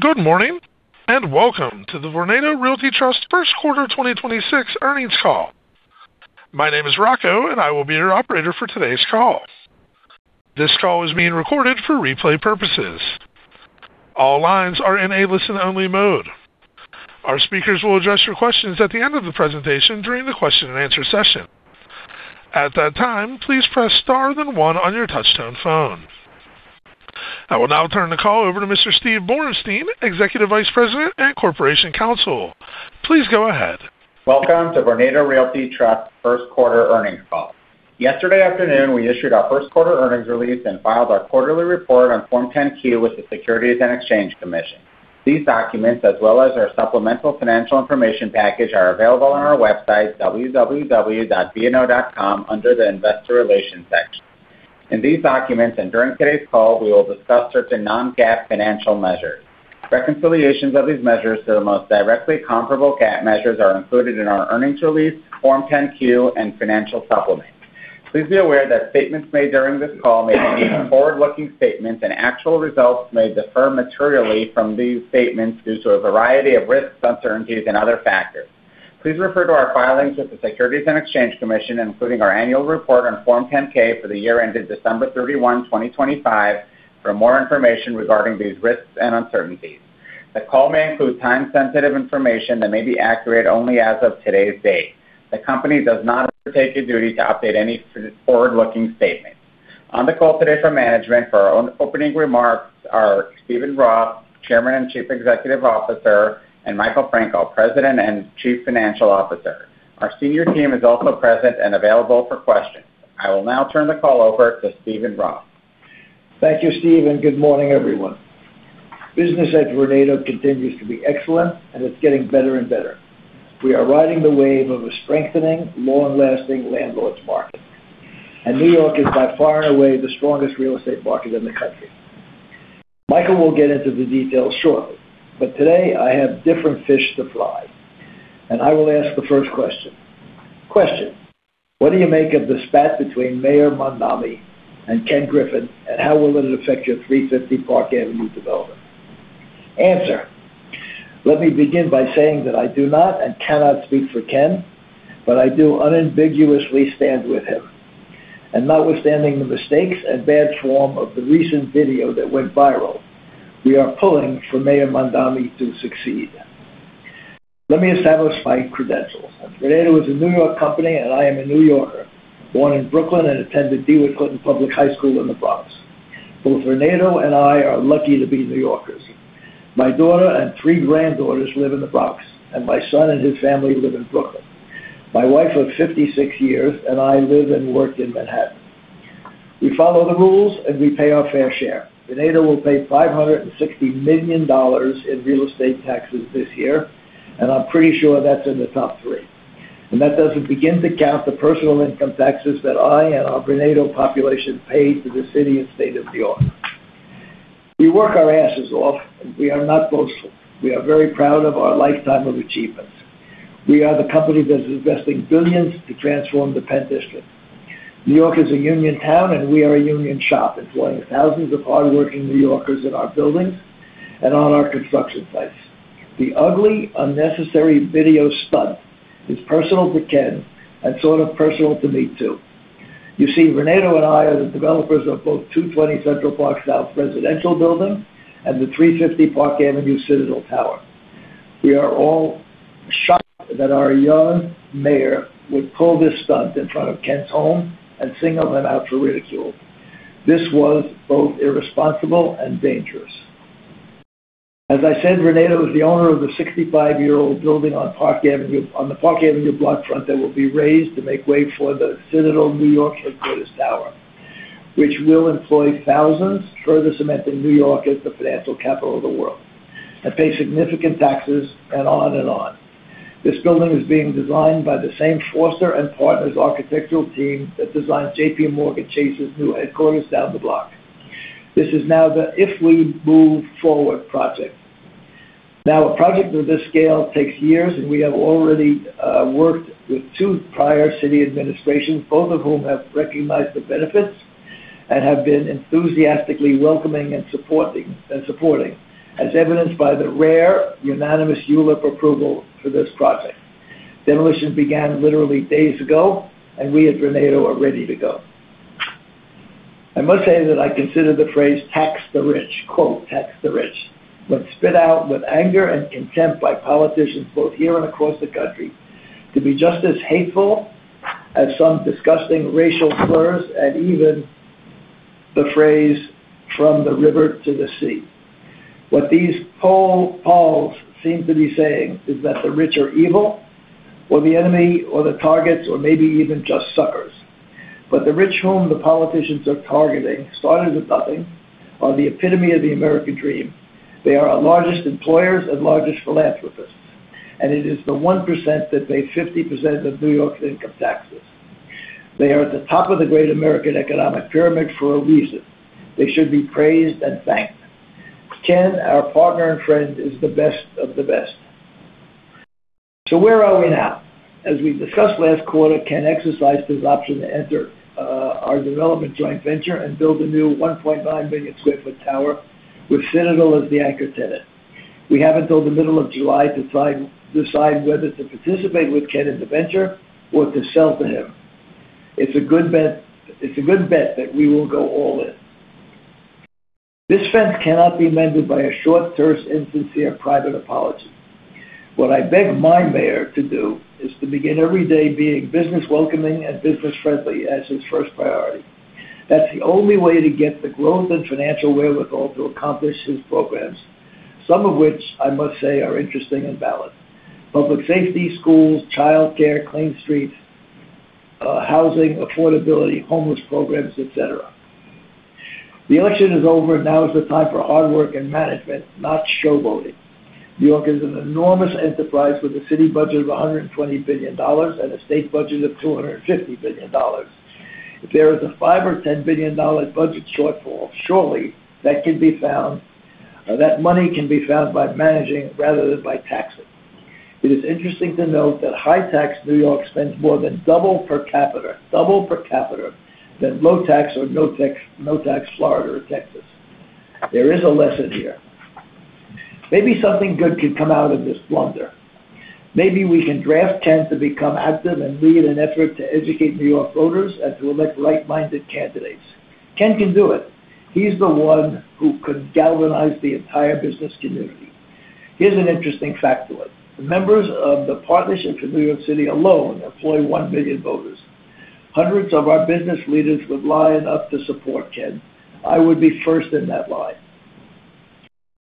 Good morning, and welcome to the Vornado Realty Trust first quarter 2026 earnings call. My name is Rocco, and I will be your operator for today's call. This call is being recorded for replay purposes. All lines are in a listen-only mode. Our speakers will address your questions at the end of the presentation during the question-and-answer session. At that time, please press star then one on your touchtone phone. I will now turn the call over to Mr. Steve Borenstein, Executive Vice President and Corporation Counsel. Please go ahead. Welcome to Vornado Realty Trust first quarter earnings call. Yesterday afternoon, we issued our first quarter earnings release and filed our quarterly report on Form 10-Q with the Securities and Exchange Commission. These documents, as well as our supplemental financial information package, are available on our website, www.vno.com, under the Investor Relations section. In these documents and during today's call, we will discuss certain non-GAAP financial measures. Reconciliations of these measures to the most directly comparable GAAP measures are included in our earnings release, Form 10-Q, and financial supplement. Please be aware that statements made during this call may contain forward-looking statements, and actual results may differ materially from these statements due to a variety of risks, uncertainties, and other factors. Please refer to our filings with the Securities and Exchange Commission, including our annual report on Form 10-K for the year ended December 31, 2025 for more information regarding these risks and uncertainties. The call may include time-sensitive information that may be accurate only as of today's date. The company does not undertake a duty to update any forward-looking statements. On the call today from management for our own opening remarks are Steven Roth, Chairman and Chief Executive Officer, and Michael Franco, President and Chief Financial Officer. Our senior team is also present and available for questions. I will now turn the call over to Steven Roth. Thank you, Steve, and good morning, everyone. Business at Vornado continues to be excellent, and it's getting better and better. We are riding the wave of a strengthening, long-lasting landlord's market. New York is by far and away the strongest real estate market in the country. Michael will get into the details shortly, but today I have different fish to fry, and I will ask the first question. Question: What do you make of the spat between Mayor Mamdani and Ken Griffin, and how will it affect your 350 Park Avenue development? Answer: Let me begin by saying that I do not and cannot speak for Ken, but I do unambiguously stand with him. Notwithstanding the mistakes and bad form of the recent video that went viral, we are pulling for Mayor Mamdani to succeed. Let me establish my credentials. Vornado is a New York company, and I am a New Yorker, born in Brooklyn and attended DeWitt Clinton Public High School in the Bronx. Both Vornado and I are lucky to be New Yorkers. My daughter and three granddaughters live in the Bronx, and my son and his family live in Brooklyn. My wife of 56 years and I live and work in Manhattan. We follow the rules, and we pay our fair share. Vornado will pay $560 million in real estate taxes this year, and I'm pretty sure that's in the top three. That doesn't begin to count the personal income taxes that I and our Vornado population pay to the city and state of New York. We work our asses off. We are not boastful. We are very proud of our lifetime of achievements. We are the company that's investing billions to transform THE PENN DISTRICT. New York is a union town, and we are a union shop, employing thousands of hardworking New Yorkers in our buildings and on our construction sites. The ugly, unnecessary video stunt is personal to Ken Griffin and sort of personal to me too. You see, Vornado and I are the developers of both 220 Central Park South residential building and the 350 Park Avenue Citadel Tower. We are all shocked that our young Mayor would pull this stunt in front of Ken Griffin's home and sing him an ultra ridicule. This was both irresponsible and dangerous. As I said, Vornado is the owner of the 65-year-old building on Park Avenue on the Park Avenue block front that will be raised to make way for the Citadel New York headquarters tower, which will employ thousands, further cementing New York as the financial capital of the world, and pay significant taxes, and on and on. This building is being designed by the same Foster + Partners architectural team that designed JPMorgan Chase's new headquarters down the block. This is now the if we move forward project. Now, a project of this scale takes years, and we have already worked with two prior city administrations, both of whom have recognized the benefits and have been enthusiastically welcoming and supporting, as evidenced by the rare unanimous ULURP approval for this project. Demolition began literally days ago, and we at Vornado are ready to go. I must say that I consider the phrase tax the rich, quote, tax the rich, when spit out with anger and contempt by politicians both here and across the country to be just as hateful as some disgusting racial slurs and even the phrase from the river to the sea. What these polls seem to be saying is that the rich are evil or the enemy or the targets or maybe even just suckers. The rich whom the politicians are targeting started with nothing, are the epitome of the American dream. They are our largest employers and largest philanthropists, and it is the 1% that pay 50% of New York's income taxes. They are at the top of the Great American economic pyramid for a reason. They should be praised and thanked. Ken, our partner and friend, is the best of the best. Where are we now? As we discussed last quarter, Ken exercised his option to enter our development joint venture and build a new 1.9 million sq ft tower with Citadel as the anchor tenant. We have until the middle of July to try and decide whether to participate with Ken in the venture or to sell to him. It's a good bet that we will go all in. This fence cannot be mended by a short-term instance here, private apology. What I beg my mayor to do is to begin every day being business welcoming and business friendly as his first priority. That's the only way to get the growth and financial wherewithal to accomplish his programs. Some of which I must say are interesting and valid. Public safety, schools, childcare, clean streets, housing affordability, homeless programs, et cetera. The election is over. Now is the time for hard work and management, not showboating. N.Y. is an enormous enterprise with a city budget of $120 billion and a state budget of $250 billion. If there is a $5 billion or $10 billion budget shortfall, surely that money can be found by managing rather than by taxing. It is interesting to note that high tax N.Y. spends more than double per capita than low tax or no tax Florida or Texas. There is a lesson here. Maybe something good could come out of this blunder. Maybe we can draft Ken to become active and lead an effort to educate N.Y. voters and to elect like-minded candidates. Ken can do it. He's the one who could galvanize the entire business community. Here's an interesting factoid. The members of the Partnership for New York City alone employ 1 million voters. Hundreds of our business leaders would line up to support Ken. I would be first in that line.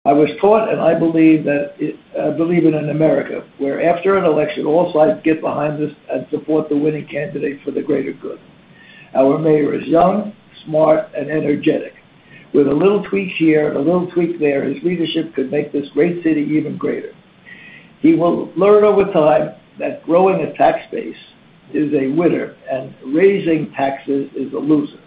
I was taught, and I believe it in America, where after an election, all sides get behind this and support the winning candidate for the greater good. Our mayor is young, smart, and energetic. With a little tweak here and a little tweak there, his leadership could make this great city even greater. He will learn over time that growing a tax base is a winner and raising taxes is a loser.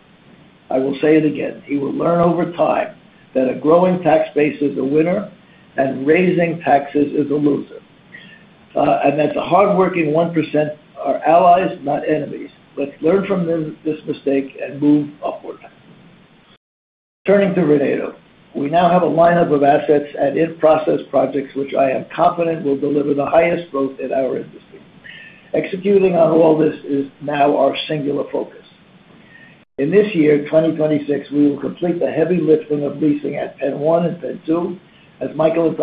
I will say it again. He will learn over time that a growing tax base is a winner and raising taxes is a loser. That the hardworking 1% are allies, not enemies. Let's learn from this mistake and move upward. Turning to Vornado. We now have a lineup of assets and in-process projects, which I am confident will deliver the highest growth in our industry. Executing on all this is now our singular focus. In this year, 2026, we will complete the heavy lifting of leasing at PENN 1 and PENN 2. As Michael and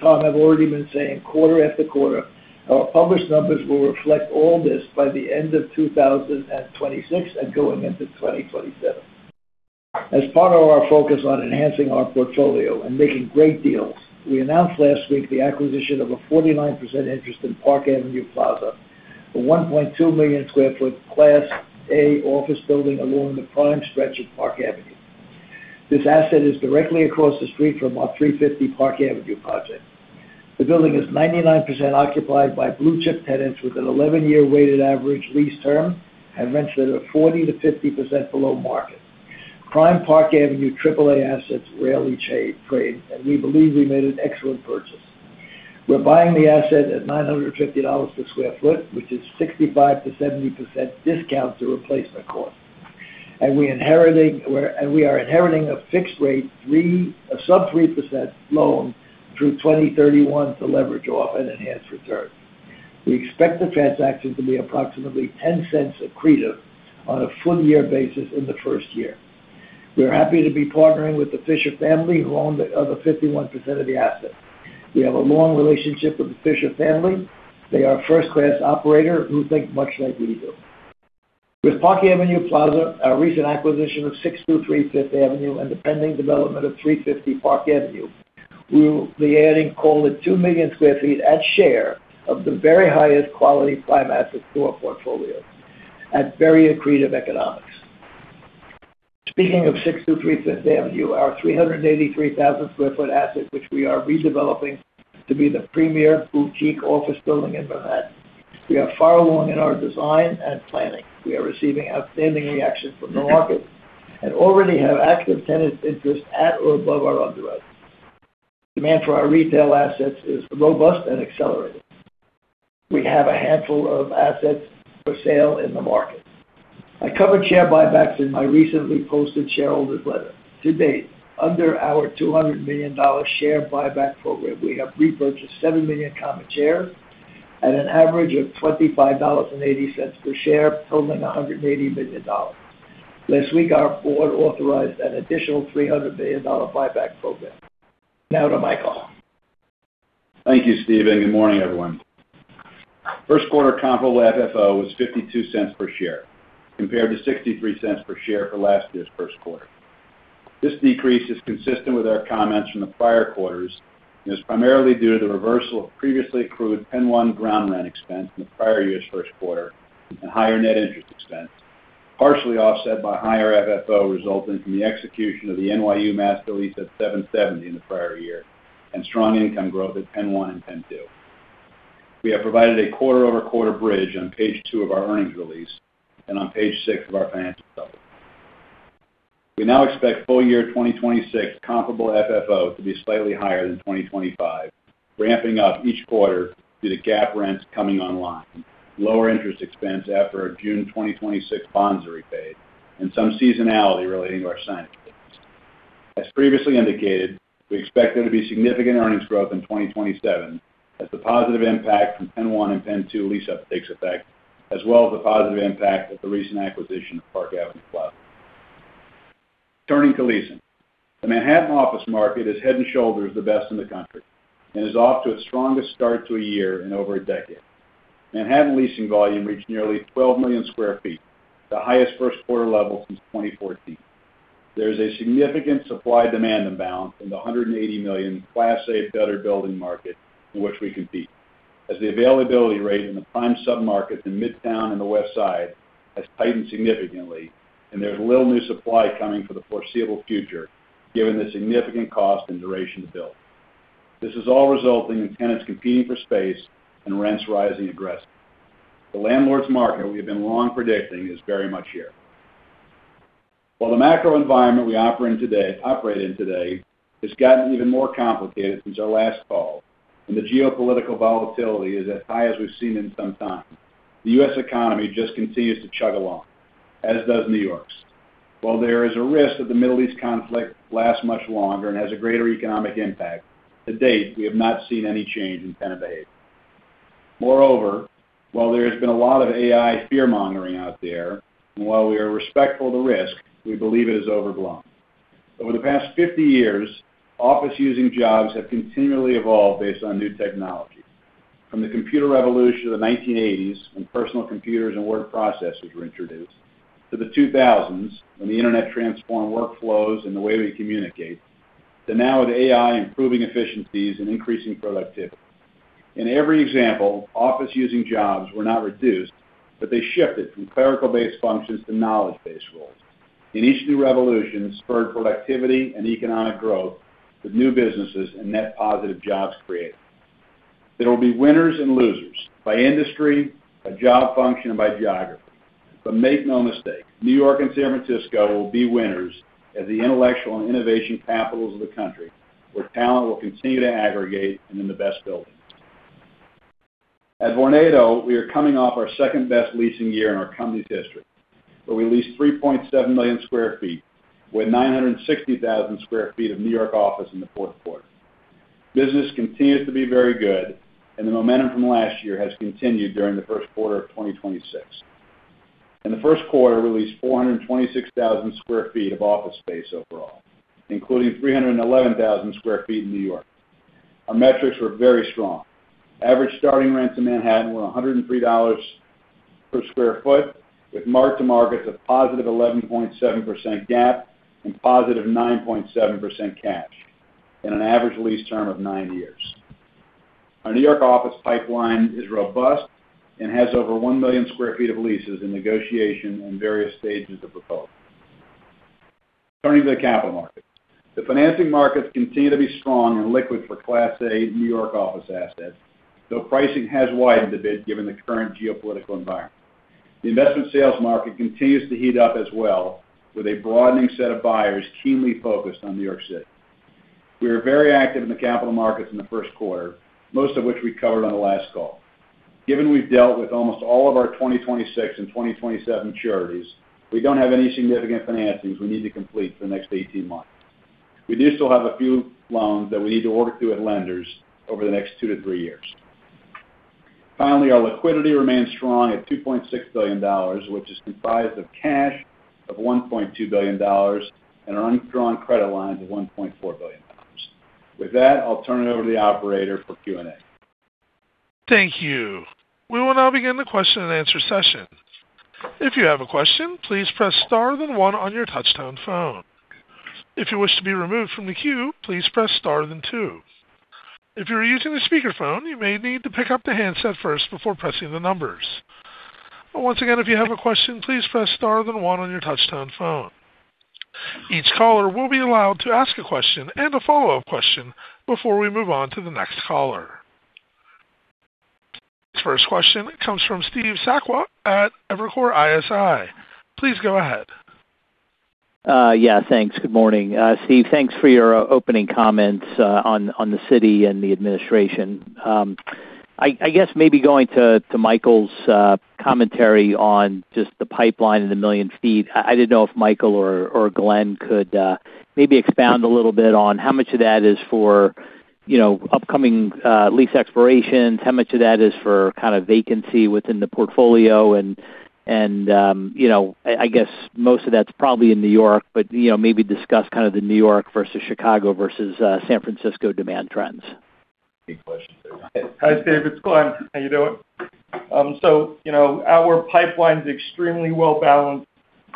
Tom have already been saying quarter after quarter, our published numbers will reflect all this by the end of 2026 and going into 2027. As part of our focus on enhancing our portfolio and making great deals, we announced last week the acquisition of a 49% interest in Park Avenue Plaza, a 1.2 million sq ft Class A office building along the prime stretch of Park Avenue. This asset is directly across the street from our 350 Park Avenue project. The building is 99% occupied by Blue Chip tenants with an 11-year weighted average lease term and rents that are 40%-50% below market. Prime Park Avenue AAA assets rarely trade, we believe we made an excellent purchase. We're buying the asset at $950 per sq ft, which is 65%-70% discount to replacement cost. We are inheriting a fixed rate sub-3% loan through 2031 to leverage off and enhance returns. We expect the transaction to be approximately $0.10 accretive on a full year basis in the first year. We are happy to be partnering with the Fisher family, who own the other 51% of the asset. We have a long relationship with the Fisher family. They are a first-class operator who think much like we do. With Park Avenue Plaza, our recent acquisition of 623 Fifth Avenue and the pending development of 350 Park Avenue, we will be adding, call it 2 million sq ft at share of the very highest quality prime assets to our portfolio at very accretive economics. Speaking of 623 Fifth Avenue, our 383,000 sq ft asset, which we are redeveloping to be the premier boutique office building in Manhattan. We are far along in our design and planning. We are receiving outstanding reaction from the market and already have active tenant interest at or above our underwriter. Demand for our retail assets is robust and accelerating. We have a handful of assets for sale in the market. I covered share buybacks in my recently posted shareholder's letter. To date, under our $200 million share buyback program, we have repurchased 7 million common shares at an average of $25.80 per share, totaling $180 million. Last week, our board authorized an additional $300 million buyback program. Now to Michael. Thank you, Steven. Good morning, everyone. First quarter Comparable FFO was $0.52 per share compared to $0.63 per share for last year's first quarter. This decrease is consistent with our comments from the prior quarters and is primarily due to the reversal of previously accrued PENN 1 ground rent expense in the prior year's first quarter and higher net interest expense, partially offset by higher FFO resulting from the execution of the NYU master lease at 770 in the prior year and strong income growth at PENN 1 and PENN 2. We have provided a quarter-over-quarter bridge on page two of our earnings release and on page six of our financial supplements. We now expect full year 2026 Comparable FFO to be slightly higher than 2025, ramping up each quarter due to GAAP rents coming online, lower interest expense after our June 2026 bonds are repaid, and some seasonality relating to our SNO. As previously indicated, we expect there to be significant earnings growth in 2027 as the positive impact from PENN 1 and PENN 2 lease-up takes effect, as well as the positive impact of the recent acquisition of Park Avenue Plaza. Turning to leasing. The Manhattan office market is head and shoulders the best in the country and is off to its strongest start to a year in over a decade. Manhattan leasing volume reached nearly 12 million sq ft, the highest first quarter level since 2014. There's a significant supply-demand imbalance in the 180 million Class A better building market in which we compete, as the availability rate in the prime submarkets in Midtown and the West Side has tightened significantly, and there's little new supply coming for the foreseeable future, given the significant cost and duration to build. This is all resulting in tenants competing for space and rents rising aggressively. The landlord's market we have been long predicting is very much here. While the macro environment we operate in today has gotten even more complicated since our last call, and the geopolitical volatility is as high as we've seen in some time, the U.S. economy just continues to chug along, as does New York's. While there is a risk that the Middle East conflict lasts much longer and has a greater economic impact, to date, we have not seen any change in tenant behavior. While there has been a lot of AI fear-mongering out there, and while we are respectful of the risk, we believe it is overblown. Over the past 50 years, office-using jobs have continually evolved based on new technology. From the computer revolution of the 1980s when personal computers and word processors were introduced, to the 2000s when the Internet transformed workflows and the way we communicate, to now with AI improving efficiencies and increasing productivity. In every example, office-using jobs were not reduced, but they shifted from clerical-based functions to knowledge-based roles. Each new revolution spurred productivity and economic growth with new businesses and net positive jobs created. There will be winners and losers by industry, by job function, and by geography. Make no mistake, New York and San Francisco will be winners as the intellectual and innovation capitals of the country, where talent will continue to aggregate and in the best buildings. At Vornado, we are coming off our second-best leasing year in our company's history, where we leased 3.7 million sq ft, with 960,000 sq ft of New York office in the fourth quarter. Business continues to be very good. The momentum from last year has continued during the first quarter of 2026. In the first quarter, we leased 426,000 sq ft of office space overall, including 311,000 sq ft in New York. Our metrics were very strong. Average starting rents in Manhattan were $103 per sq ft, with mark-to-markets of positive 11.7% GAAP and positive 9.7% cash, and an average lease term of nine years. Our New York office pipeline is robust and has over 1 million sq ft of leases in negotiation in various stages of proposal. Turning to the capital market. The financing markets continue to be strong and liquid for Class A New York office assets, though pricing has widened a bit given the current geopolitical environment. The investment sales market continues to heat up as well, with a broadening set of buyers keenly focused on New York City. We are very active in the capital markets in the first quarter, most of which we covered on the last call. Given we've dealt with almost all of our 2026 and 2027 maturities, we don't have any significant financings we need to complete for the next 18 months. We do still have a few loans that we need to work through with lenders over the next two to three years. Finally, our liquidity remains strong at $2.6 billion, which is comprised of cash of $1.2 billion and our undrawn credit lines of $1.4 billion. With that, I'll turn it over to the operator for Q&A. Thank you. We will now begin the question-and-answer session. If you have a question, please press star then one on your touch-tone phone. If you wish to be removed from the queue, please press star then two. If you're using a speakerphone, you may need to pick up the handset first before pressing the numbers. Once again, if you have a question, please press star then one on your touch-tone phone. Each caller will be allowed to ask a question and a follow-up question before we move on to the next caller. This first question comes from Steve Sakwa at Evercore ISI. Please go ahead. Yeah, thanks. Good morning. Steve, thanks for your opening comments on the city and the administration. I guess maybe going to Michael's commentary on just the pipeline and the 1 million ft. I didn't know if Michael or Glen could maybe expound a little bit on how much of that is for, you know, upcoming lease expirations, how much of that is for kind of vacancy within the portfolio. You know, I guess most of that's probably in New York, but, you know, maybe discuss kind of the New York versus Chicago versus San Francisco demand trends. Good question, Steve. Hi, Steve. It's Glen. How you doing? You know, our pipeline's extremely well-balanced.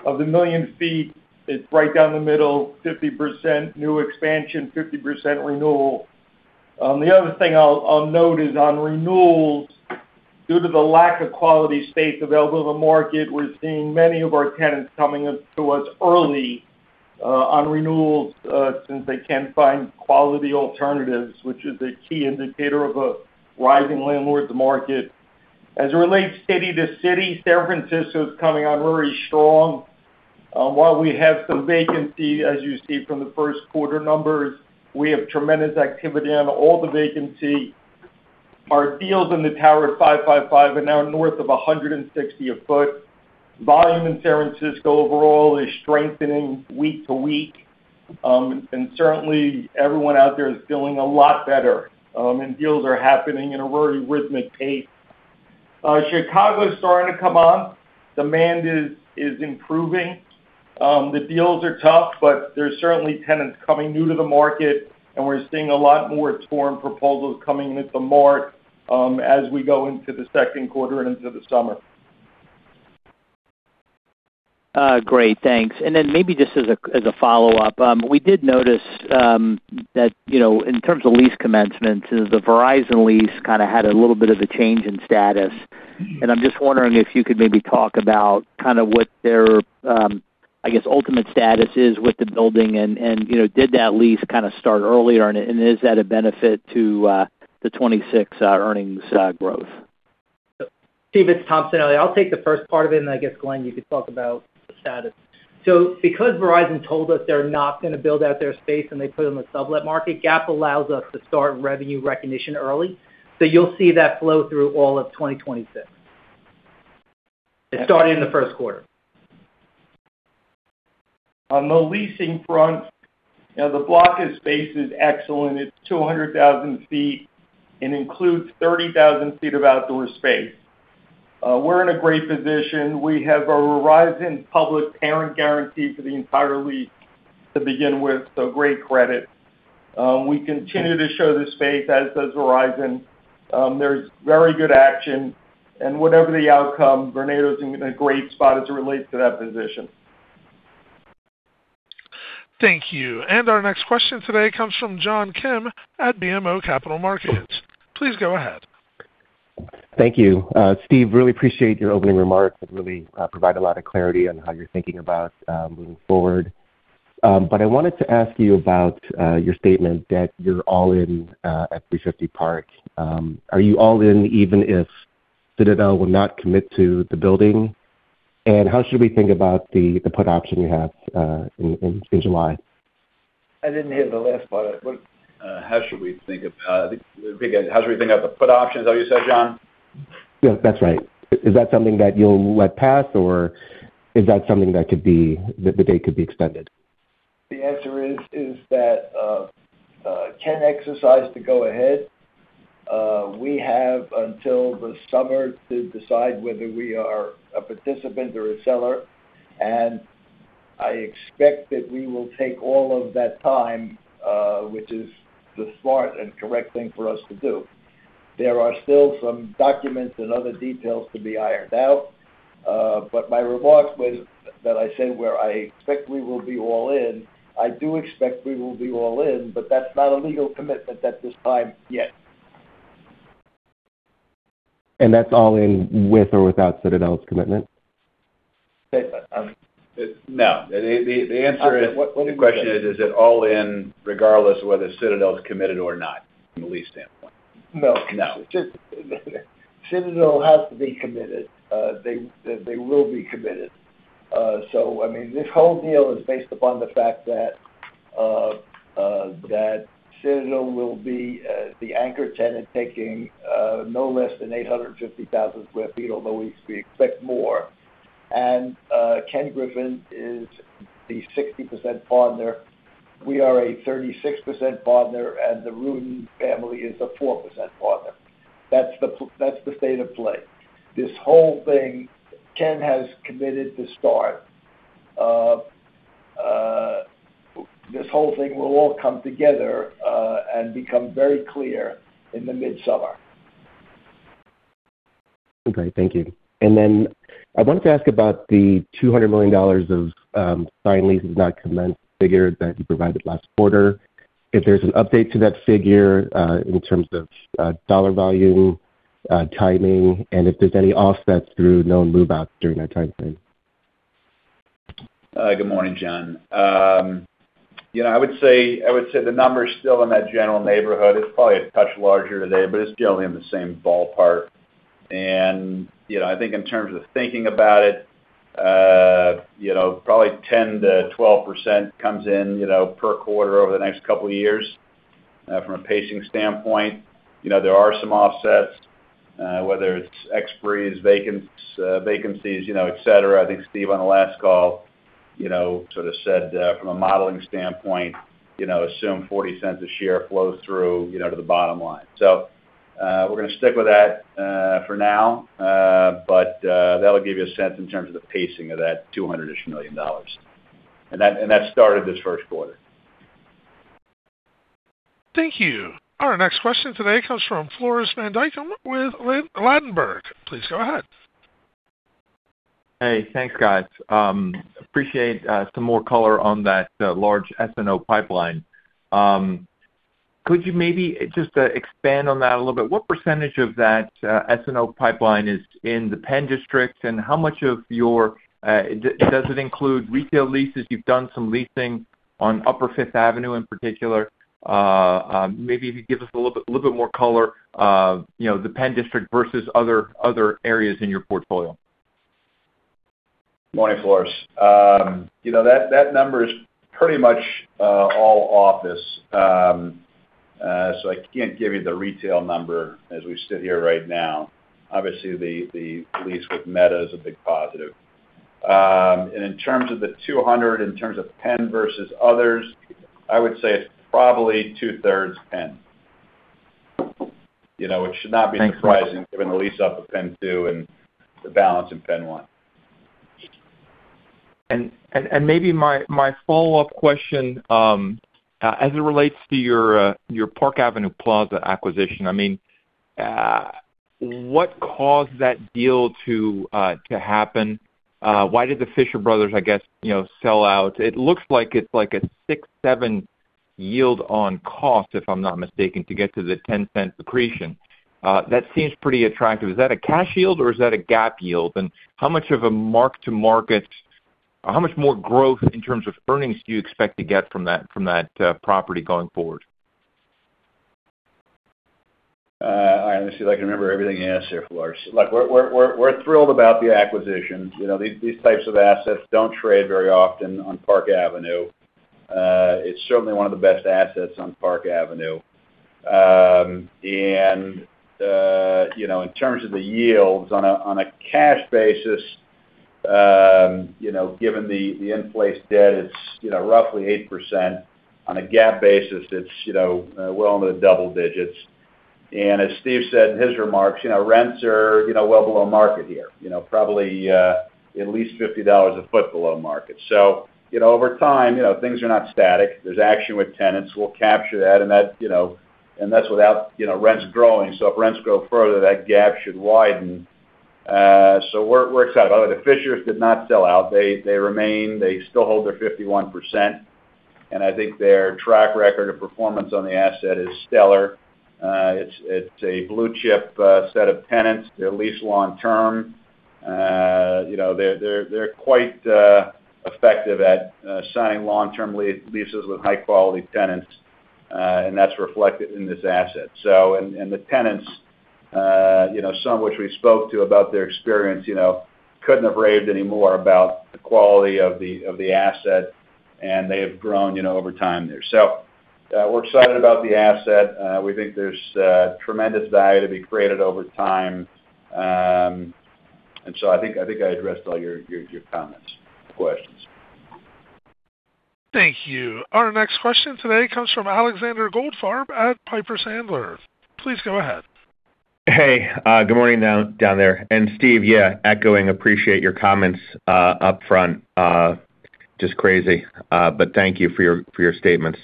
Of the 1 million sq ft, it's right down the middle, 50% new expansion, 50% renewal. The other thing I'll note is on renewals, due to the lack of quality space available in the market, we're seeing many of our tenants coming up to us early on renewals, since they can't find quality alternatives, which is a key indicator of a rising landlord's market. As it relates city to city, San Francisco is coming on very strong. While we have some vacancy, as you see from the first quarter numbers, we have tremendous activity on all the vacancy. Our deals in the tower 555 are now north of $160 a foot. Volume in San Francisco overall is strengthening week to week. Certainly everyone out there is feeling a lot better, and deals are happening in a very rhythmic pace. Chicago is starting to come on. Demand is improving. The deals are tough, but there's certainly tenants coming new to the market, and we're seeing a lot more store proposals coming into the market as we go into the second quarter and into the summer. Great. Thanks. Then maybe just as a follow-up, we did notice that, you know, in terms of lease commencements, the Verizon lease kinda had a little bit of a change in status. I'm just wondering if you could maybe talk about kind of what their, I guess, ultimate status is with the building and, you know, did that lease kinda start earlier and is that a benefit to the 2026 earnings growth? Steve, it's Tom Sanelli here. I'll take the first part of it, and then I guess, Glen, you could talk about the status. Because Verizon told us they're not gonna build out their space, and they put it on the sublet market, GAAP allows us to start revenue recognition early. You'll see that flow through all of 2026. It started in the first quarter. On the leasing front, you know, the block of space is excellent. It's 200,000 ft and includes 30,000 ft of outdoor space. We're in a great position. We have a Verizon public parent guarantee for the entire lease to begin with, so great credit. We continue to show the space, as does Verizon. There's very good action. Whatever the outcome, Vornado's in a great spot as it relates to that position. Thank you. Our next question today comes from John Kim at BMO Capital Markets. Please go ahead. Thank you. Steve, really appreciate your opening remarks. It really provided a lot of clarity on how you're thinking about moving forward. But I wanted to ask you about your statement that you're all in at 350 Park. Are you all in even if Citadel will not commit to the building? How should we think about the put option you have in July? I didn't hear the last part. How should we think about the put option, is that what you said, John? Yeah, that's right. Is that something that you'll let pass, or is that something that the date could be extended? The answer is that Ken exercised to go ahead. We have until the summer to decide whether we are a participant or a seller, and I expect that we will take all of that time, which is the smart and correct thing for us to do. There are still some documents and other details to be ironed out, but my remarks was that I said where I expect we will be all in. I do expect we will be all in, but that's not a legal commitment at this time yet. That's all in with or without Citadel's commitment? Say that-- um. No. The answer. What is? The question is it all in regardless whether Citadel is committed or not from a lease standpoint? No. No. Just Citadel has to be committed. They will be committed. I mean, this whole deal is based upon the fact that Citadel will be the anchor tenant taking no less than 850,000 sq ft, although we expect more. Ken Griffin is the 60% partner. We are a 36% partner, and the Rudin family is a 4% partner. That's the state of play. This whole thing, Ken has committed to start. This whole thing will all come together and become very clear in the mid-summer. Okay. Thank you. I wanted to ask about the $200 million of signed leases not commenced figure that you provided last quarter. If there's an update to that figure, in terms of dollar volume, timing, and if there's any offsets through known move-outs during that time frame? Good morning, John Kim. You know, I would say the number's still in that general neighborhood. It's probably a touch larger today, but it's generally in the same ballpark. You know, I think in terms of thinking about it, you know, probably 10%-12% comes in, you know, per quarter over the next two years, from a pacing standpoint. You know, there are some offsets, whether it's expiries, vacancies, you know, et cetera. I think Steven, on the last call, you know, sort of said, from a modeling standpoint, you know, assume $0.40 a share flows through, you know, to the bottom line. We're gonna stick with that for now. That'll give you a sense in terms of the pacing of that $200-ish million. That started this first quarter. Thank you. Our next question today comes from Floris van Dijkum with Ladenburg. Please go ahead. Hey, thanks, guys. Appreciate some more color on that large SNO pipeline. Could you maybe just expand on that a little bit? What percentage of that SNO pipeline is in THE PENN DISTRICT, and how much of your does it include retail leases? You've done some leasing on Upper Fifth Avenue in particular. Maybe if you could give us a little bit more color of, you know, THE PENN DISTRICT versus other areas in your portfolio. Morning, Floris. You know, that number is pretty much all office. I can't give you the retail number as we sit here right now. Obviously, the lease with Meta is a big positive. In terms of the 200, in terms of Penn versus others, I would say it's probably 2/3 Penn. You know, which should not be surprising. Thank you. given the lease up of PENN 2 and the balance in PENN 1. Maybe my follow-up question as it relates to your Park Avenue Plaza acquisition. I mean, what caused that deal to happen? Why did the Fisher Brothers, I guess, you know, sell out? It looks like it's like a six, seven yield on cost, if I'm not mistaken, to get to the $0.10 accretion. That seems pretty attractive. Is that a cash yield or is that a GAAP yield? How much more growth in terms of earnings do you expect to get from that property going forward? I honestly like to remember everything you asked here, Floris. Like, we're thrilled about the acquisition. You know, these types of assets don't trade very often on Park Avenue. It's certainly one of the best assets on Park Avenue. You know, in terms of the yields on a cash basis, you know, given the in-place debt, it's, you know, roughly 8%. On a GAAP basis, it's, you know, well into double digits. As Steve said in his remarks, you know, rents are, you know, well below market here. You know, probably at least $50 a foot below market. You know, over time, you know, things are not static. There's action with tenants. We'll capture that, and that's, you know, without, you know, rents growing. If rents grow further, that GAAP should widen. We're excited. By the way, the Fishers did not sell out. They remain. They still hold their 51%, and I think their track record of performance on the asset is stellar. It's a blue chip set of tenants. They're leased long term. You know, they're quite effective at signing long-term leases with high-quality tenants, and that's reflected in this asset. And the tenants, you know, some of which we spoke to about their experience, you know, couldn't have raved any more about the quality of the asset, and they have grown, you know, over time there. We're excited about the asset. We think there's tremendous value to be created over time. I think I addressed all your comments, questions. Thank you. Our next question today comes from Alexander Goldfarb at Piper Sandler. Please go ahead. Hey. Good morning down there. Steve, yeah, echoing, appreciate your comments upfront. Just crazy. Thank you for your statements.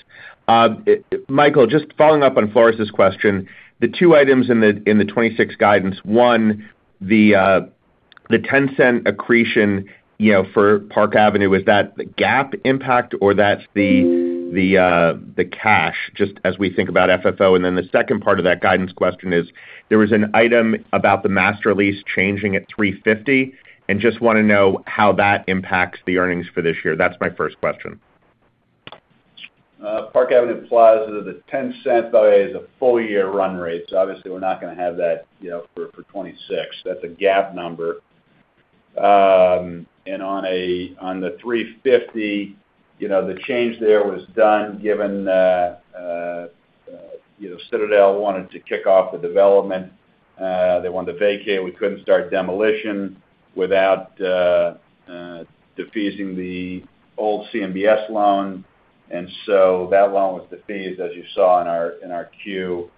Michael, just following up on Floris' question. The two items in the 26 guidance. One, the $0.10 accretion, you know, for Park Avenue. Was that the GAAP impact or that's the cash, just as we think about FFO? Then the second part of that guidance question is there was an item about the master lease changing at 350, and just wanna know how that impacts the earnings for this year. That's my first question. Park Avenue Plaza, the $0.10 value is a full year run rate. Obviously we're not gonna have that, you know, for 2026. That's a GAAP number. On the 350, you know, the change there was done given, you know, Citadel wanted to kick off the development. They wanted to vacate. We couldn't start demolition without defeasing the old CMBS loan. That loan was defeased, as you saw in our Form 10-Q.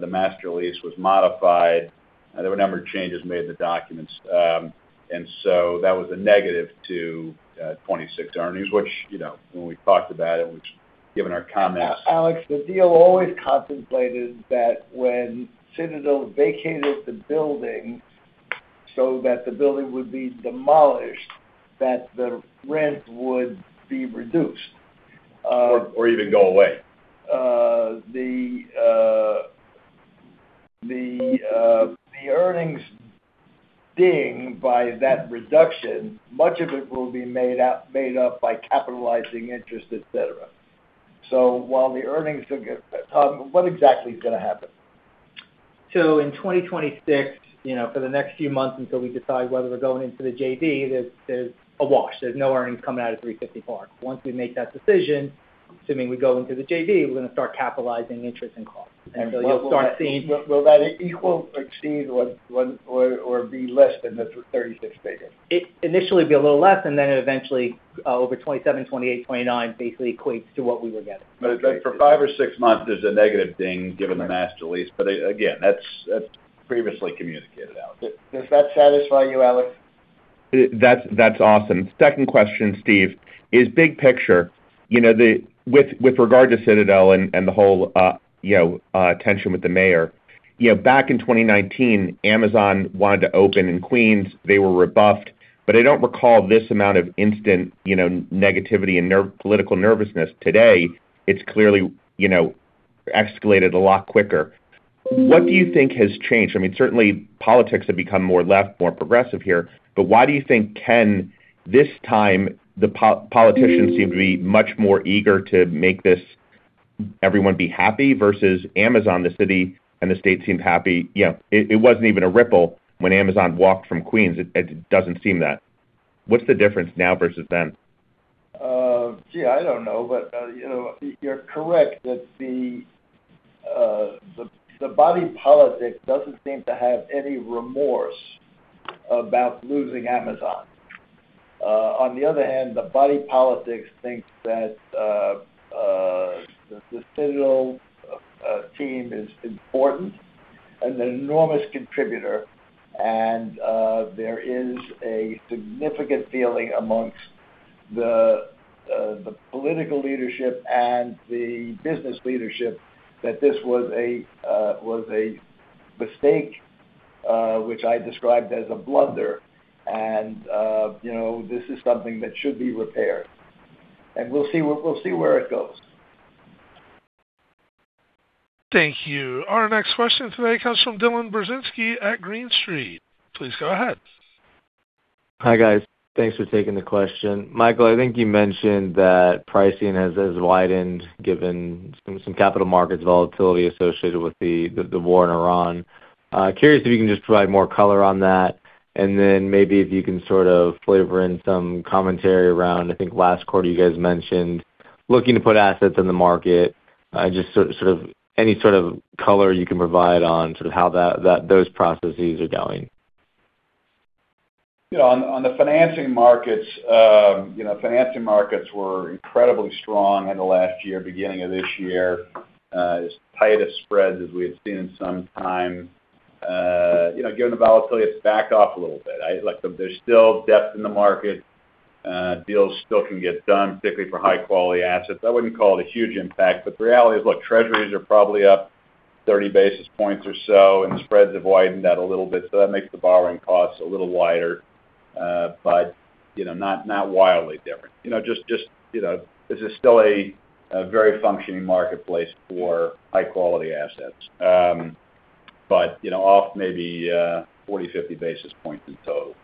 The master lease was modified. There were a number of changes made in the documents. That was a negative to 2026 earnings, which, you know, when we talked about it, which given our comments. Alex the deal always contemplated that when Citadel vacated the building so that the building would be demolished, that the rent would be reduced. Or even go away. The earnings ding by that reduction, much of it will be made up by capitalizing interest, et cetera. What exactly is gonna happen? In 2026, you know, for the next few months until we decide whether we're going into the JV, there's a wash. There's no earnings coming out of 350 Park. Once we make that decision, assuming we go into the JV, we're gonna start capitalizing interest and costs. Will that equal or exceed what Or be less than the 36 figure? It initially will be a little less, and then it eventually, over 2027, 2028, 2029, basically equates to what we were getting. For five or six months, there's a negative ding given the master lease. Again, that's previously communicated, Alex. Does that satisfy you, Alex? That's awesome. Second question, Steve, is big picture. With regard to Citadel and the whole tension with the mayor. Back in 2019, Amazon wanted to open in Queens. They were rebuffed. I don't recall this amount of instant negativity and political nervousness. Today, it's clearly escalated a lot quicker. What do you think has changed? I mean, certainly politics have become more left, more progressive here. Why do you think Ken, this time, the politicians seem to be much more eager to make everyone be happy versus Amazon, the city and the state seemed happy. It wasn't even a ripple when Amazon walked from Queens. It doesn't seem that. What's the difference now versus then? Gee, I don't know. You know, you're correct that the body politics doesn't seem to have any remorse about losing Amazon. On the other hand, the body politics thinks that the digital team is important and an enormous contributor. There is a significant feeling amongst the political leadership and the business leadership that this was a mistake, which I described as a blunder. You know, this is something that should be repaired. We'll see where it goes. Thank you. Our next question today comes from Dylan Burzinski at Green Street. Please go ahead. Hi, guys. Thanks for taking the question. Michael, I think you mentioned that pricing has widened given some capital markets volatility associated with the war in Iran. Curious if you can just provide more color on that, and then maybe if you can sort of flavor in some commentary around, I think last quarter you guys mentioned looking to put assets in the market. Just sort of any sort of color you can provide on sort of how that, those processes are going. You know, on the financing markets, you know, financing markets were incredibly strong in the last year, beginning of this year. As tight a spread as we had seen in some time. You know, given the volatility, it's backed off a little bit. Like, there's still depth in the market. Deals still can get done, particularly for high-quality assets. I wouldn't call it a huge impact, but the reality is, look, treasuries are probably up 30 basis points or so, and the spreads have widened that a little bit, so that makes the borrowing costs a little wider. You know, not wildly different. You know, just, you know, this is still a very functioning marketplace for high-quality assets. You know, off maybe 40, 50 basis points in tow.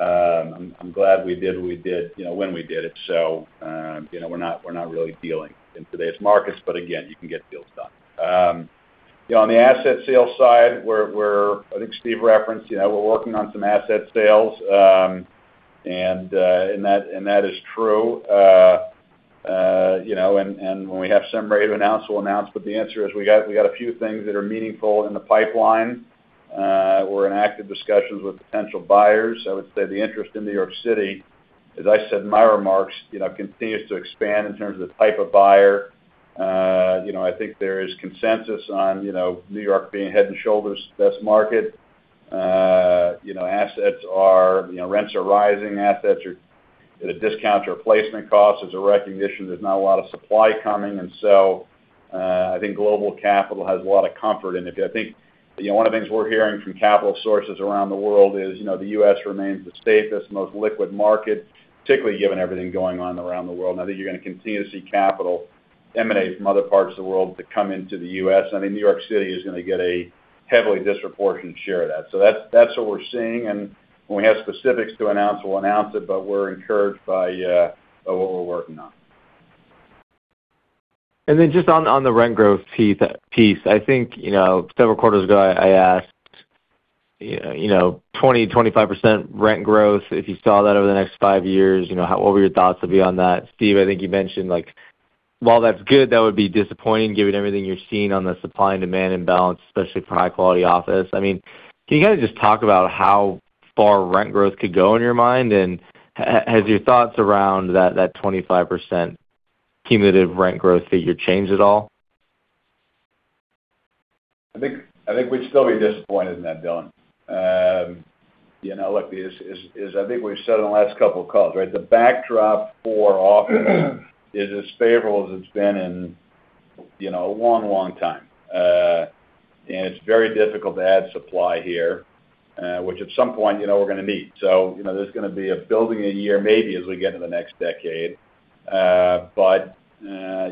I'm glad we did what we did, you know, when we did it. You know, we're not really dealing in today's markets. Again, you can get deals done. You know, on the asset sales side, we're I think Steve referenced, you know, we're working on some asset sales. That is true. You know, when we have summary to announce, we'll announce, but the answer is we got a few things that are meaningful in the pipeline. We're in active discussions with potential buyers. I would say the interest in New York City, as I said in my remarks, you know, continues to expand in terms of the type of buyer. You know, I think there is consensus on, you know, New York being head and shoulders best market. You know, assets are, you know, rents are rising, assets are at a discount to replacement costs. There's a recognition there's not a lot of supply coming. I think global capital has a lot of comfort in it. I think, you know, one of the things we're hearing from capital sources around the world is, you know, the U.S. remains the safest, most liquid market, particularly given everything going on around the world. I think you're gonna continue to see capital emanate from other parts of the world to come into the U.S. I mean, New York City is gonna get a heavily disproportionate share of that. That's what we're seeing. When we have specifics to announce, we'll announce it, but we're encouraged by what we're working on. Then just on the rent growth pie-piece, I think, you know, several quarters ago, I asked, you know, 20, 25% rent growth, if you saw that over the next five years, you know, how what were your thoughts would be on that? Steve, I think you mentioned, like, while that's good, that would be disappointing given everything you're seeing on the supply and demand imbalance, especially for high-quality office. I mean, can you guys just talk about how far rent growth could go in your mind? And has your thoughts around that 25% cumulative rent growth figure changed at all? I think we'd still be disappointed in that, Dylan. You know, look, I think we've said on the last couple of calls, right? The backdrop for office is as favorable as it's been in, you know, a long, long time. It's very difficult to add supply here, which at some point, you know, we're gonna need. You know, there's gonna be a building a year maybe as we get into the next decade.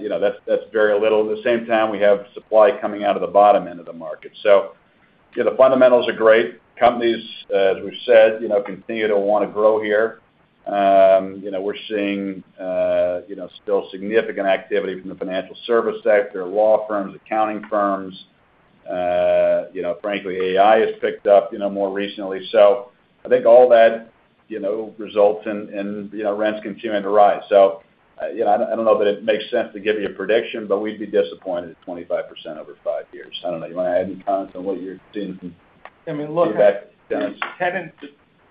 You know, that's very little. At the same time, we have supply coming out of the bottom end of the market. You know, the fundamentals are great. Companies, as we've said, you know, continue to wanna grow here. You know, we're seeing, you know, still significant activity from the financial service sector, law firms, accounting firms. You know, frankly, AI has picked up, you know, more recently. I think all that, you know, results in, you know, rents continuing to rise. I don't know that it makes sense to give you a prediction, but we'd be disappointed at 25% over five years. I don't know. You wanna add any comments on what you're seeing from- I mean. feedback, Dylan? Tenants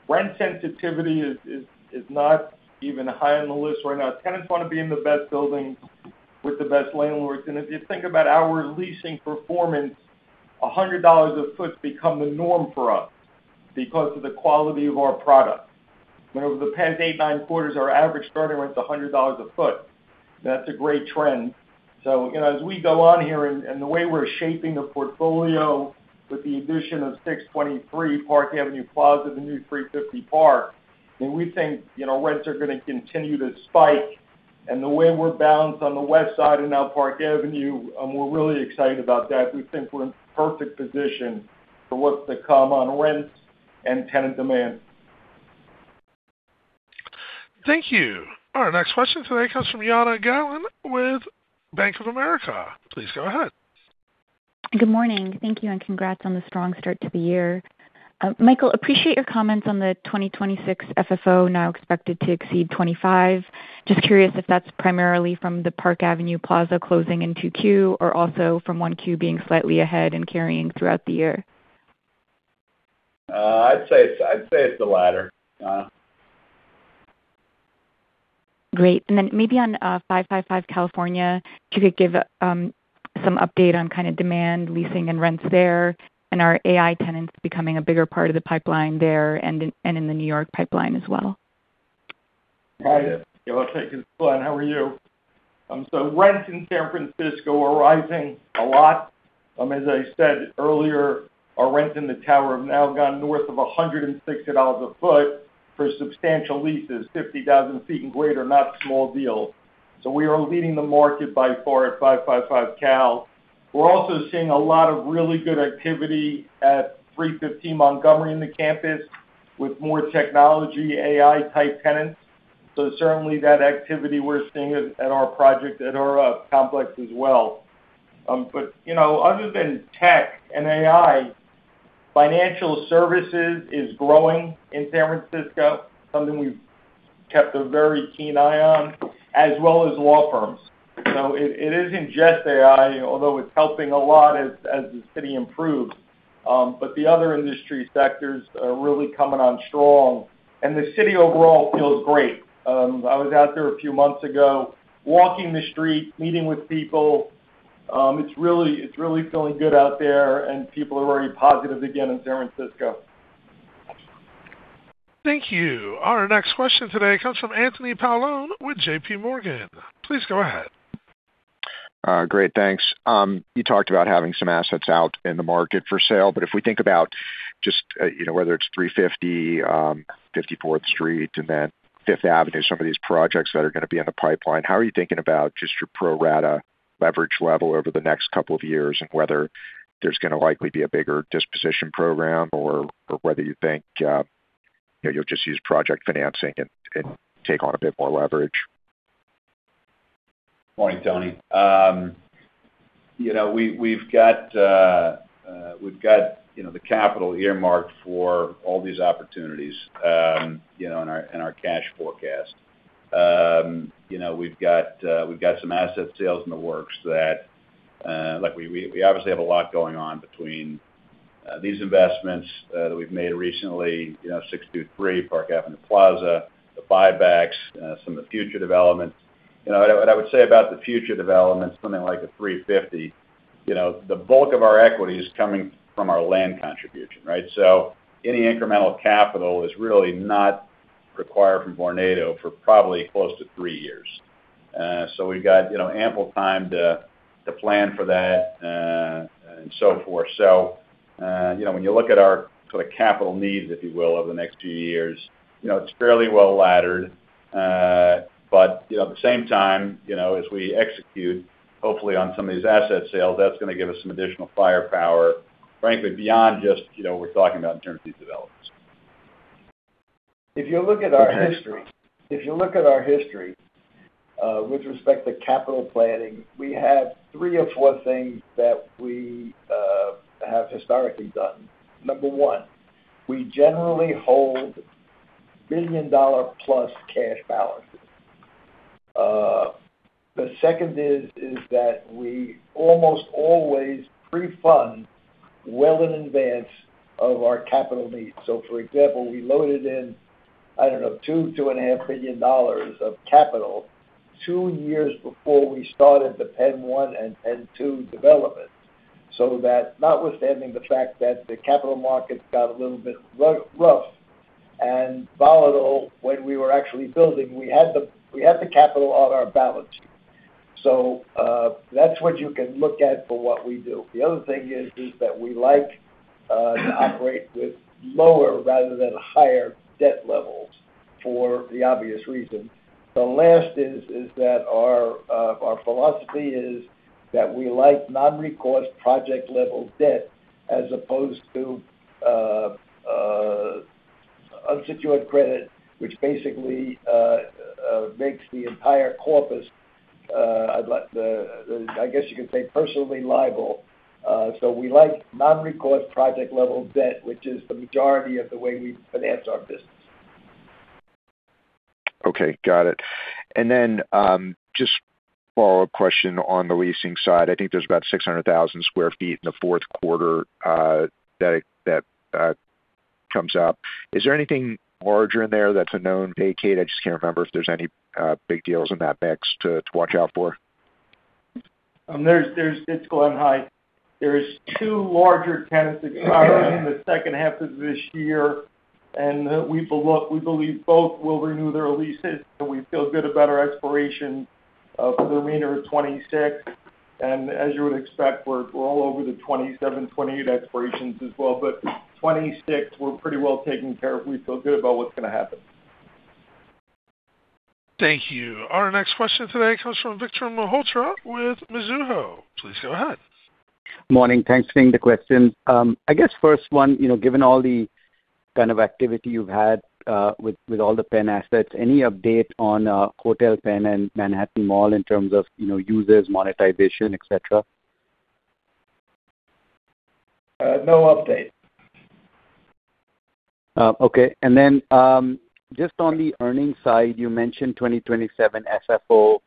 Rent sensitivity is not even high on the list right now. Tenants wanna be in the best buildings with the best landlords. If you think about our leasing performance, $100 a foot's become the norm for us because of the quality of our product. You know, over the past eight, nine quarters, our average starting rent's $100 a foot. That's a great trend. You know, as we go on here, and the way we're shaping the portfolio with the addition of 623 Park Avenue Plaza, the new 350 Park, and we think, you know, rents are gonna continue to spike. The way we're balanced on the west side and now Park Avenue, we're really excited about that. We think we're in perfect position for what's to come on rents and tenant demand. Thank you. Our next question today comes from Jana Galan with Bank of America. Please go ahead. Good morning. Thank you, and congrats on the strong start to the year. Michael, appreciate your comments on the 2026 FFO now expected to exceed 2025. Just curious if that's primarily from the Park Avenue Plaza closing in 2Q or also from 1Q being slightly ahead and carrying throughout the year. I'd say it's the latter. Great. Maybe on 555 California, could you give some update on kind of demand leasing and rents there and our AI tenants becoming a bigger part of the pipeline there and in, and in the New York pipeline as well? Hi. Yeah, thank you. It's Glen. How are you? Rents in San Francisco are rising a lot. As I said earlier, our rents in the tower have now gone north of $160 a foot for substantial leases, 50,000 ft and greater, not small deals. We are leading the market by far at 555 California. We're also seeing a lot of really good activity at 315 Montgomery in the campus with more technology, AI-type tenants. Certainly that activity we're seeing at our project, at our complex as well. But, you know, other than tech and AI, financial services is growing in San Francisco, something we've kept a very keen eye on, as well as law firms. It isn't just AI, although it's helping a lot as the city improves. The other industry sectors are really coming on strong. The city overall feels great. I was out there a few months ago, walking the streets, meeting with people. It's really feeling good out there, and people are very positive again in San Francisco. Thank you. Our next question today comes from Anthony Paolone with JPMorgan. Please go ahead. Great. Thanks. You talked about having some assets out in the market for sale, if we think about just, you know, whether it's 350, 54th Street and then Fifth Avenue, some of these projects that are gonna be in the pipeline, how are you thinking about just your pro rata leverage level over the next couple of years and whether there's gonna likely be a bigger disposition program or whether you think, you know, you'll just use project financing and take on a bit more leverage? Morning, Anthony. We've got the capital earmarked for all these opportunities in our cash forecast. We've got some asset sales in the works that we obviously have a lot going on between these investments that we've made recently, 623 Park Avenue Plaza, the buybacks, some of the future developments. What I would say about the future developments, something like 350, the bulk of our equity is coming from our land contribution, right? Any incremental capital is really not required from Vornado for probably close to three years. We've got ample time to plan for that and so forth. You know, when you look at our sort of capital needs, if you will, over the next few years, you know, it's fairly well laddered. You know, at the same time, you know, as we execute, hopefully on some of these asset sales, that's gonna give us some additional firepower, frankly, beyond just, you know, we're talking about in terms of these developments. If you look at our history, with respect to capital planning, we have three or four things that we have historically done. Number one, we generally hold billion-dollar-plus cash balances. The second is that we almost always pre-fund well in advance of our capital needs. For example, we loaded in $2.5 billion of capital two years before we started the PENN 1 and PENN 2 development. That notwithstanding the fact that the capital markets got a little bit rough and volatile when we were actually building, we had the capital on our balance sheet. That's what you can look at for what we do. The other thing is that we like to operate with lower rather than higher debt levels for the obvious reasons. The last is that our philosophy is that we like non-recourse project-level debt as opposed to, unsecured credit, which basically, makes the entire corpus, I'd like the I guess you could say personally liable. We like non-recourse project-level debt, which is the majority of the way we finance our business. Okay. Got it. Just a follow-up question on the leasing side. I think there's about 600,000 sq ft in the fourth quarter that comes up. Is there anything larger in there that's a known vacate? I just can't remember if there's any big deals in that mix to watch out for. It's Glen, hi. There's two larger tenants expiring in the second half of this year, and we believe both will renew their leases, and we feel good about our expiration for the remainder of 2026. As you would expect, we're all over the 2027, 2028 expirations as well. 2026, we're pretty well taken care of. We feel good about what's gonna happen. Thank you. Our next question today comes from Vikram Malhotra with Mizuho. Please go ahead. Morning. Thanks for taking the question. I guess first one, you know, given all the kind of activity you've had with all the PENN assets, any update on Hotel Penn and Manhattan Mall in terms of, you know, users, monetization, et cetera? No update. Okay. Then, just on the earnings side, you mentioned 2027 FFO,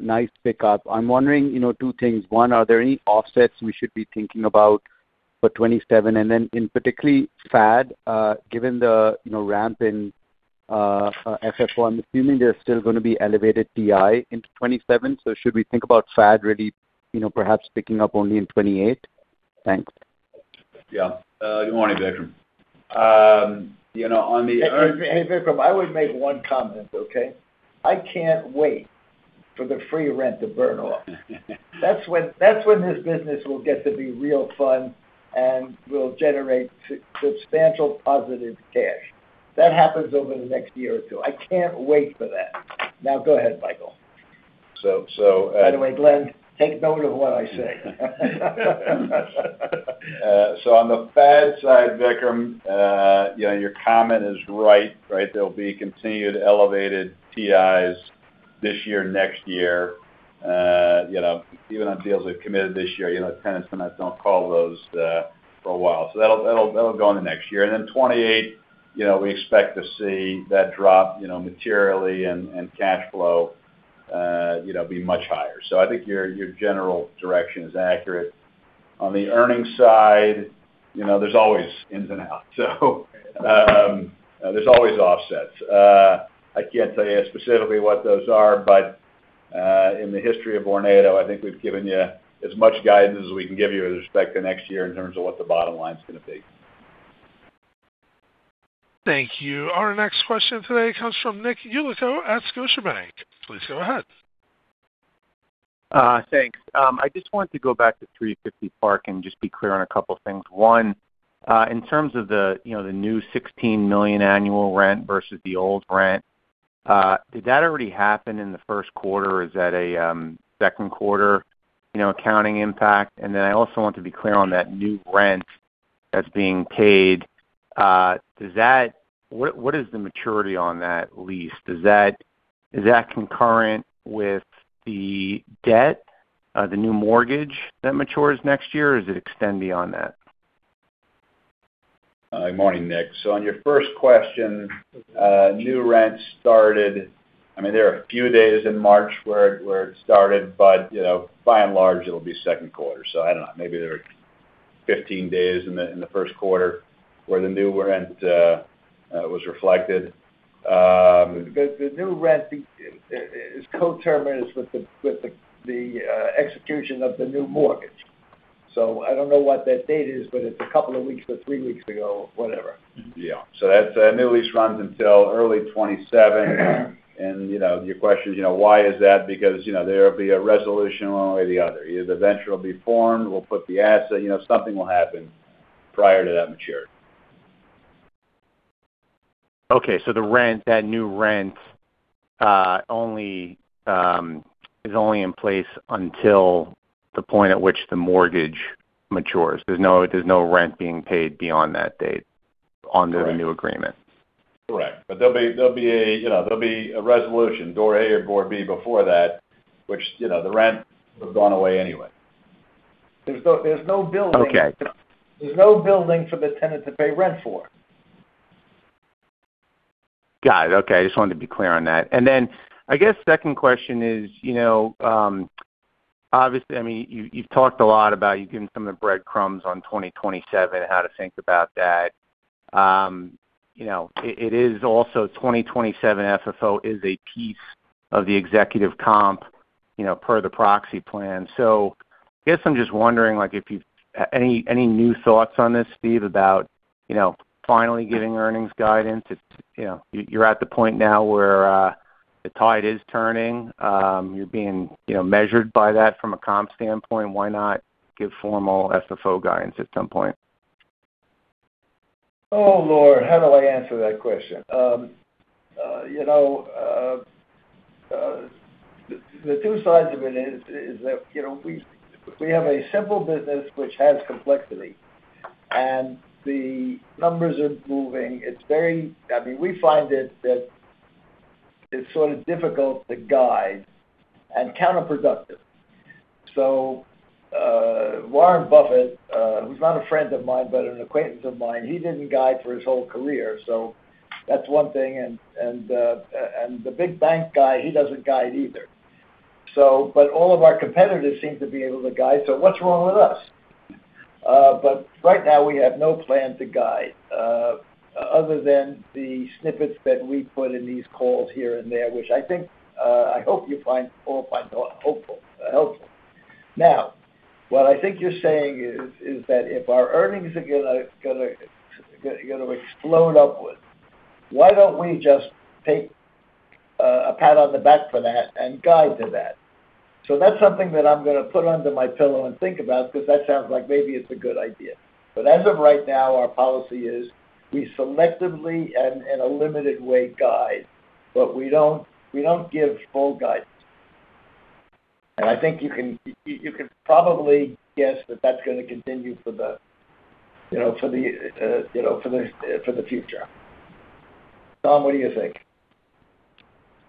nice pickup. I'm wondering, you know, two things. One, are there any offsets we should be thinking about for 2027? In particularly FAD, given the, you know, ramp in FFO, I'm assuming there's still gonna be elevated TI into 2027. Should we think about FAD really, you know, perhaps picking up only in 2028? Thanks. Yeah. good morning, Vikram. Hey, hey, Vikram, I would make one comment, okay? I can't wait for the free rent to burn off. That's when this business will get to be real fun and will generate substantial positive cash. That happens over the next year or two. I can't wait for that. Now go ahead, Michael. So, so, uh- By the way, Glen, take note of what I say. On the FAD side, Vikram, you know, your comment is right. Right, there'll be continued elevated TIs this year, next year. You know, even on deals we've committed this year, you know, tenants sometimes don't call those for a while. That'll go into next year. In 2028, you know, we expect to see that drop, you know, materially and cash flow, you know, be much higher. I think your general direction is accurate. On the earnings side, you know, there's always ins and outs. There's always offsets. I can't tell you specifically what those are, but in the history of Vornado, I think we've given you as much guidance as we can give you with respect to next year in terms of what the bottom line's gonna be. Thank you. Our next question today comes from Nicholas Yulico at Scotiabank. Please go ahead. Thanks. I just wanted to go back to 350 Park and just be clear on a couple things. One, in terms of the, you know, the new $16 million annual rent versus the old rent, did that already happen in the first quarter? Is that a second quarter, you know, accounting impact? I also want to be clear on that new rent that's being paid. What is the maturity on that lease? Is that concurrent with the debt, the new mortgage that matures next year? Or does it extend beyond that? Morning, Nick. On your first question, new rent started I mean, there are a few days in March where it started, but, you know, by and large, it'll be second quarter. I don't know, maybe there are 15 days in the first quarter where the new rent was reflected. The new rent is co-terminous with the execution of the new mortgage. I don't know what that date is, but it's a couple of weeks or three weeks ago, whatever. Yeah. That new lease runs until early 2027. You know, your question is, you know, why is that? You know, there'll be a resolution one way or the other. Either the venture will be formed, we'll put the asset, you know, something will happen prior to that maturity. Okay. The rent, that new rent, only, is only in place until the point at which the mortgage matures. There's no rent being paid beyond that date. Right Under the new agreement. Correct. There'll be a, you know, there'll be a resolution, door A or door B, before that, which, you know, the rent would have gone away anyway. There's no building. Okay. There's no building for the tenant to pay rent for. Got it. Okay. I just wanted to be clear on that. I guess second question is, you know, obviously, you've given some of the breadcrumbs on 2027 and how to think about that. You know, it is also 2027 FFO is a piece of the executive comp, you know, per the proxy plan. I guess I'm just wondering, like, if you've any new thoughts on this, Steve, about, you know, finally giving earnings guidance? It's, you know, you're at the point now where the tide is turning. You're being, you know, measured by that from a comp standpoint. Why not give formal FFO guidance at some point? Oh, Lord. How do I answer that question? You know, the two sides of it is that, you know, we have a simple business which has complexity, and the numbers are moving. I mean, we find it that it's sort of difficult to guide and counterproductive. Warren Buffett, who's not a friend of mine, but an acquaintance of mine, he didn't guide for his whole career, so that's one thing, and the big bank guy, he doesn't guide either. But all of our competitors seem to be able to guide, so what's wrong with us? But right now we have no plan to guide, other than the snippets that we put in these calls here and there, which I think, I hope you find or find hopeful, helpful. What I think you're saying is that if our earnings are gonna explode upwards, why don't we just take a pat on the back for that and guide to that? That's something that I'm gonna put under my pillow and think about because that sounds like maybe it's a good idea. As of right now, our policy is we selectively and in a limited way guide. We don't give full guidance. I think you can probably guess that that's gonna continue for the, you know, for the future. Tom, what do you think?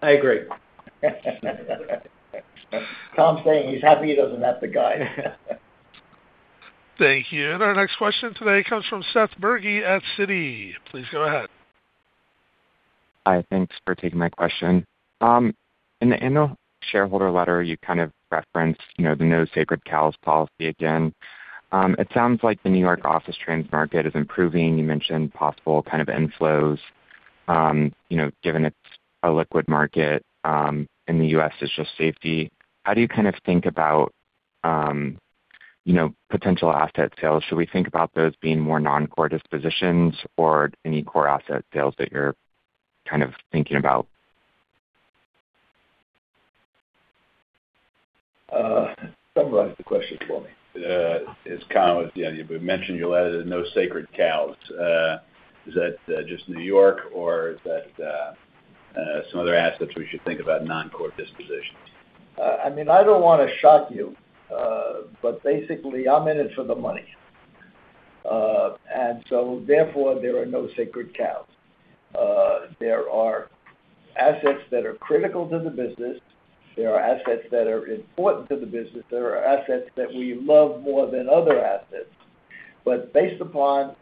I agree. Tom's saying he's happy he doesn't have to guide. Thank you. Our next question today comes from Seth Bergey at Citi. Please go ahead. Hi. Thanks for taking my question. In the annual shareholder letter, you kind of referenced, you know, the no sacred cows policy again. It sounds like the New York office trends market is improving. You mentioned possible kind of inflows. You know, given it's a liquid market, in the U.S. is just safety. How do you kind of think about, you know, potential asset sales? Should we think about those being more non-core dispositions or any core asset sales that you're kind of thinking about? Summarize the question for me. Yeah, you mentioned your letter, the no sacred cows. Is that just New York, or is that some other assets we should think about non-core dispositions? I mean, I don't wanna shock you, but basically, I'm in it for the money. Therefore, there are no sacred cows. There are assets that are critical to the business. There are assets that are important to the business. There are assets that we love more than other assets. Based upon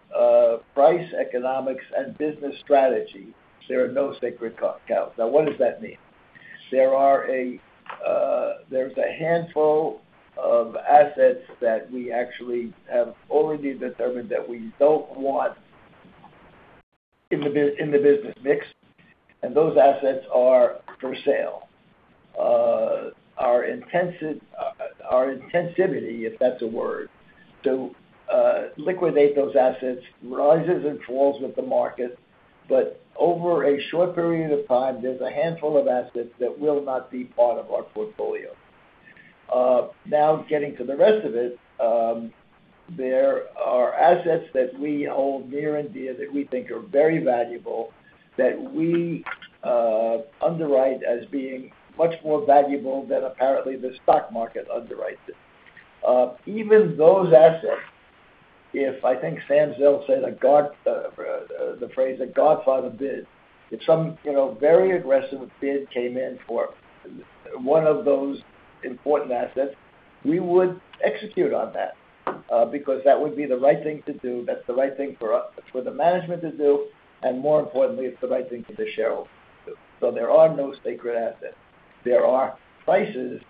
price, economics, and business strategy, there are no sacred cows. What does that mean? There's a handful of assets that we actually have already determined that we don't want in the business mix, and those assets are for sale. Our intensivity, if that's a word, to liquidate those assets rises and falls with the market. Over a short period of time, there's a handful of assets that will not be part of our portfolio. Now getting to the rest of it, there are assets that we hold near and dear that we think are very valuable, that we underwrite as being much more valuable than apparently the stock market underwrites it. Even those assets, if I think Sam Zell said a god, the phrase, "A godfather bid," if some, you know, very aggressive bid came in for one of those important assets, we would execute on that, because that would be the right thing to do. That's the right thing for us, for the management to do, and more importantly, it's the right thing for the shareholder to do. There are no sacred assets. There are prices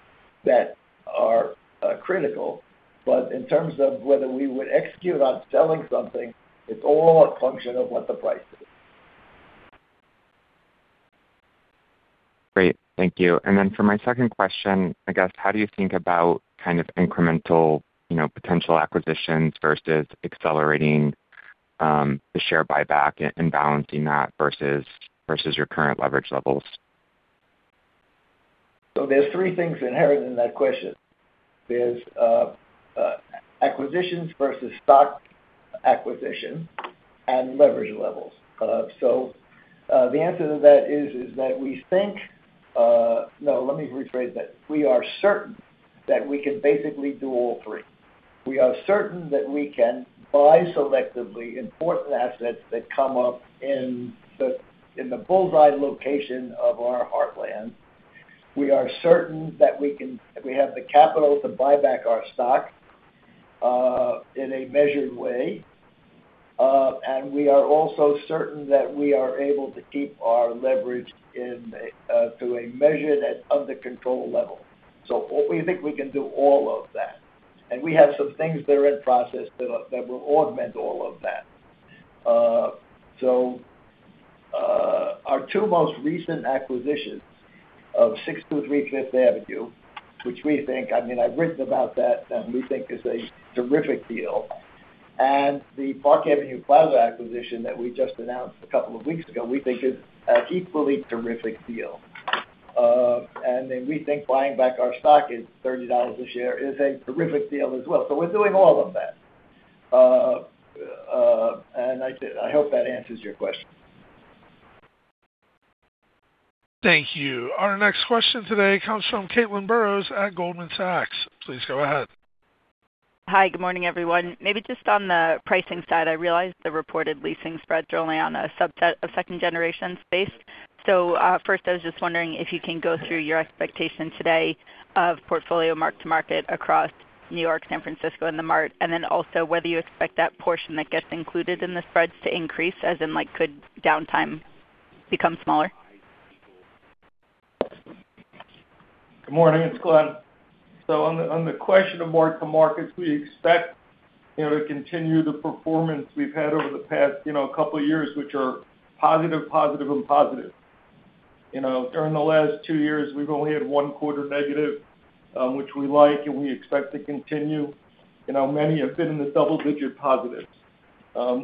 that are critical, but in terms of whether we would execute on selling something, it's all a function of what the price is. Great. Thank you. For my second question, I guess, how do you think about kind of incremental, you know, potential acquisitions versus accelerating the share buyback and balancing that versus your current leverage levels? There's three things inherent in that question. There's acquisitions versus stock acquisition and leverage levels. We are certain that we can basically do all three. We are certain that we can buy selectively important assets that come up in the bullseye location of our heartland. We are certain that we have the capital to buy back our stock in a measured way. We are also certain that we are able to keep our leverage in a to a measured and under control level. We think we can do all of that. We have some things that are in process that will augment all of that. Our two most recent acquisitions of 623 Fifth Avenue, which we think, I mean, I've written about that, and we think is a terrific deal. The Park Avenue Plaza acquisition that we just announced a couple of weeks ago, we think is an equally terrific deal. We think buying back our stock at $30 a share is a terrific deal as well. We're doing all of that. I hope that answers your question. Thank you. Our next question today comes from Caitlin Burrows at Goldman Sachs. Please go ahead. Hi. Good morning, everyone. Maybe just on the pricing side, I realize the reported leasing spreads are only on a subset of second-generation space. First, I was just wondering if you can go through your expectation today of portfolio mark-to-market across New York, San Francisco, and The Mart. Then also whether you expect that portion that gets included in the spreads to increase, as in, like, could downtime become smaller? Good morning. It's Glen. On the question of mark-to-markets, we expect, you know, to continue the performance we've had over the past, you know, two years, which are positive, and positive. You know, during the last two years, we've only had 1 quarter negative, which we like, and we expect to continue. You know, many have been in the double-digit positives.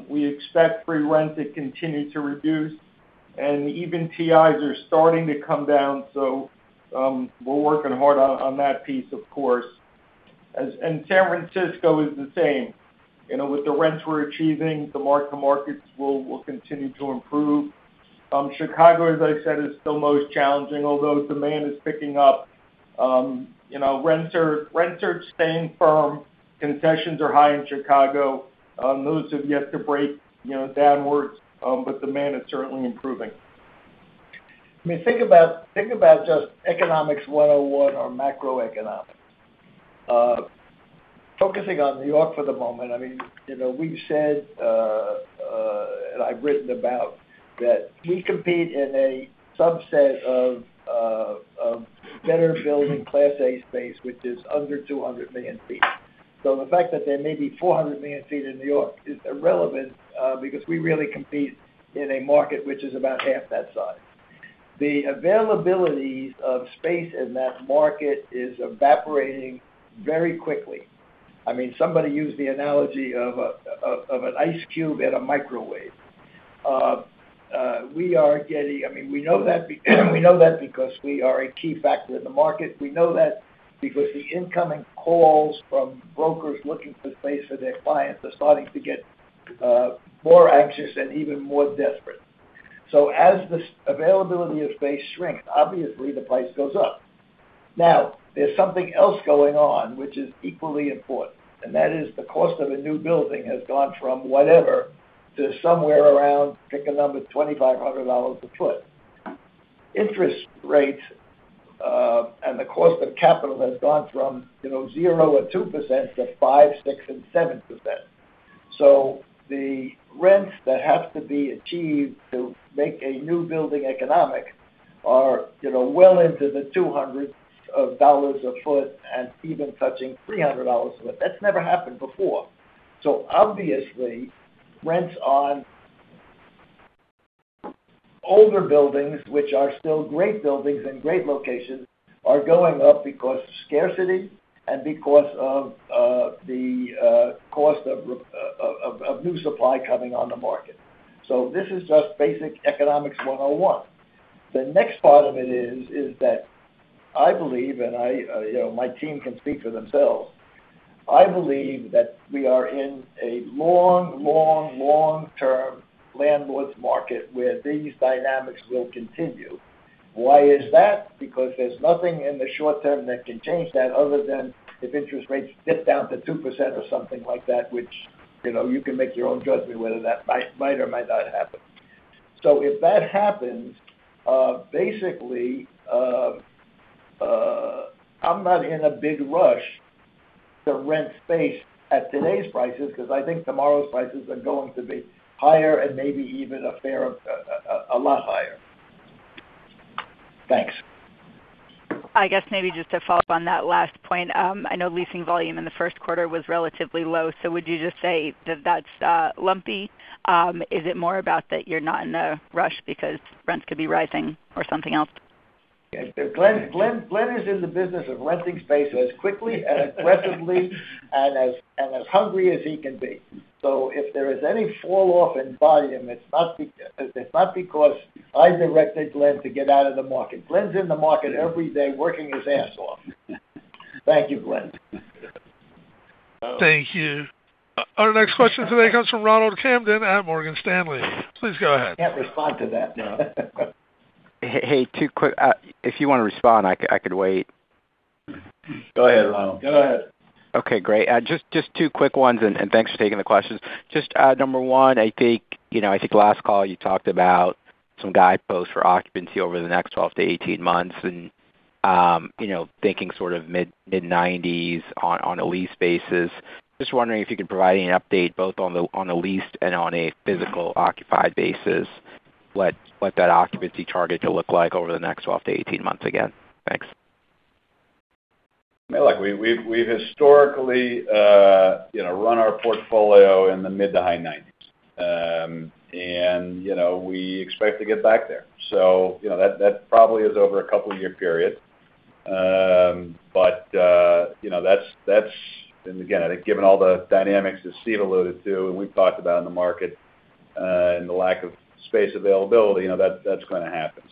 We expect free rent to continue to reduce, and even TIs are starting to come down. We're working hard on that piece, of course. San Francisco is the same. You know, with the rents we're achieving, the mark-to-markets will continue to improve. Chicago, as I said, is still most challenging, although demand is picking up. You know, rents are staying firm. Concessions are high in Chicago. Those have yet to break, you know, downwards, demand is certainly improving. I mean, think about just economics 101 or macroeconomics. Focusing on New York for the moment, I mean, you know, we've said, and I've written about, that we compete in a subset of better building Class A space, which is under 200 million ft. The fact that there may be 400 million ft in New York is irrelevant, because we really compete in a market which is about half that size. The availability of space in that market is evaporating very quickly. I mean, somebody used the analogy of an ice cube in a microwave. We are getting I mean, we know that because we are a key factor in the market. We know that because the incoming calls from brokers looking for space for their clients are starting to get more anxious and even more desperate. As the availability of space shrinks, obviously the price goes up. Now, there's something else going on which is equally important, and that is the cost of a new building has gone from whatever to somewhere around, pick a number, $2,500 a foot. Interest rates, and the cost of capital has gone from, you know, 0% and 2% to 5%, 6% and 7%. The rents that have to be achieved to make a new building economic are, you know, well into the $200 a foot and even touching $300 a foot. That's never happened before. Obviously, rents on older buildings, which are still great buildings and great locations, are going up because scarcity and because of the cost of new supply coming on the market. This is just basic economics 101. The next part of it is that I believe, and I, you know, my team can speak for themselves, I believe that we are in a long, long, long-term landlord's market where these dynamics will continue. Why is that? There's nothing in the short term that can change that other than if interest rates dip down to 2% or something like that, which, you know, you can make your own judgment whether that might or might not happen. If that happens, basically, I'm not in a big rush to rent space at today's prices, 'cause I think tomorrow's prices are going to be higher and maybe even a fair, a lot higher. Thanks. I guess maybe just to follow up on that last point. I know leasing volume in the first quarter was relatively low. Would you just say that that's lumpy? Is it more about that you're not in a rush because rents could be rising or something else? Yeah. Glen is in the business of renting space as quickly and aggressively and as hungry as he can be. If there is any fall off in volume, it's not because I directed Glen to get out of the market. Glen's in the market every day working his ass off. Thank you, Glen. Thank you. Our next question today comes from Ronald Kamdem at Morgan Stanley. Please go ahead. Can't respond to that, no. hey, two quick, if you wanna respond, I could wait. Go ahead, Ronald. Go ahead. Okay, great. Just two quick ones, and thanks for taking the questions. Just number one, I think, you know, I think last call you talked about some guideposts for occupancy over the next 12-18 months and, you know, thinking sort of mid-90s on a leased basis. Just wondering if you could provide any update both on a leased and on a physical occupied basis, what that occupancy target to look like over the next 12-18 months again. Thanks. Yeah. Look, we've historically, you know, run our portfolio in the mid to high 90s. And, you know, we expect to get back there. You know, that probably is over a couple-year period. But, you know, that's And again, I think given all the dynamics that Steven alluded to and we've talked about in the market, and the lack of space availability, you know, that's gonna happen.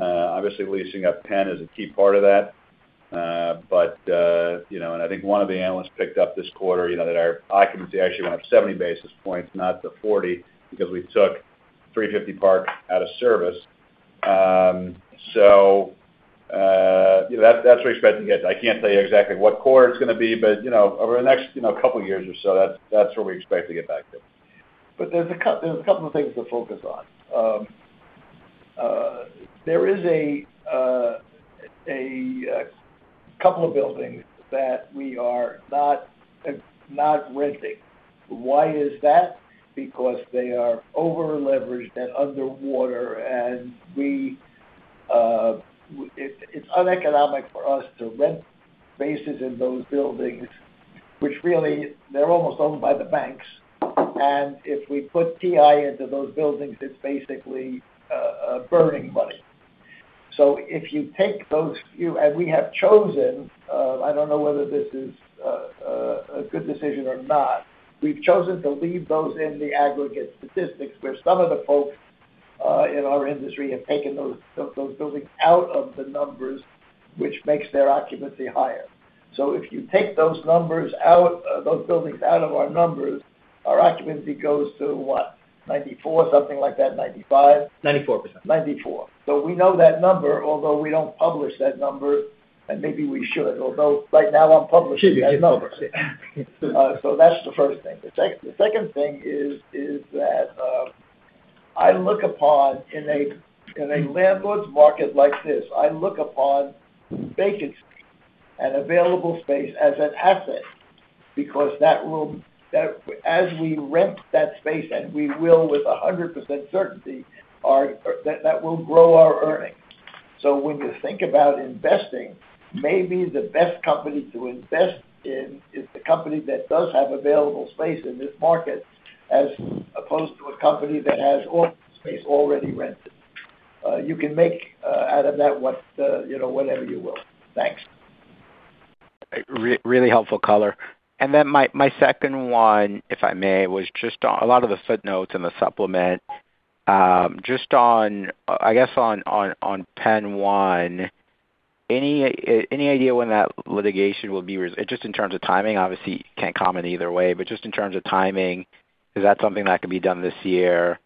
Obviously leasing up 10 is a key part of that. But, you know, and I think one of the analysts picked up this quarter, you know, that our occupancy actually went up 70 basis points, not the 40, because we took 350 Park out of service. So, you know, that's what we expect to get. I can't tell you exactly what quarter it's gonna be, but, you know, over the next, you know, couple years or so, that's where we expect to get back to. There's a couple of things to focus on. There is a couple of buildings that we are not renting. Why is that? Because they are over-leveraged and underwater, and it's uneconomic for us to rent spaces in those buildings, which really they're almost owned by the banks. If we put TI into those buildings, it's basically burning money. If you take those few And we have chosen, I don't know whether this is a good decision or not. We've chosen to leave those in the aggregate statistics, where some of the folks in our industry, have taken those buildings out of the numbers, which makes their occupancy higher. If you take those buildings out of our numbers, our occupancy goes to what? 94%, something like that, 95%. 94%. 94%. We know that number, although we don't publish that number, and maybe we should, although right now I'm publishing it. Should be. That's the first thing. The second thing is that I look upon in a landlord's market like this, I look upon vacancy and available space as an asset because that will as we rent that space, and we will with 100% certainty, that will grow our earnings. When you think about investing, maybe the best company to invest in is the company that does have available space in this market as opposed to a company that has all space already rented. You can make out of that what, you know, whatever you will. Thanks. Really helpful color. My, my second one, if I may, was just on a lot of the footnotes in the supplement. Just on, I guess on PENN 1, any idea when that litigation will be just in terms of timing. Obviously, you can't comment either way, but just in terms of timing, is that something that could be done this year?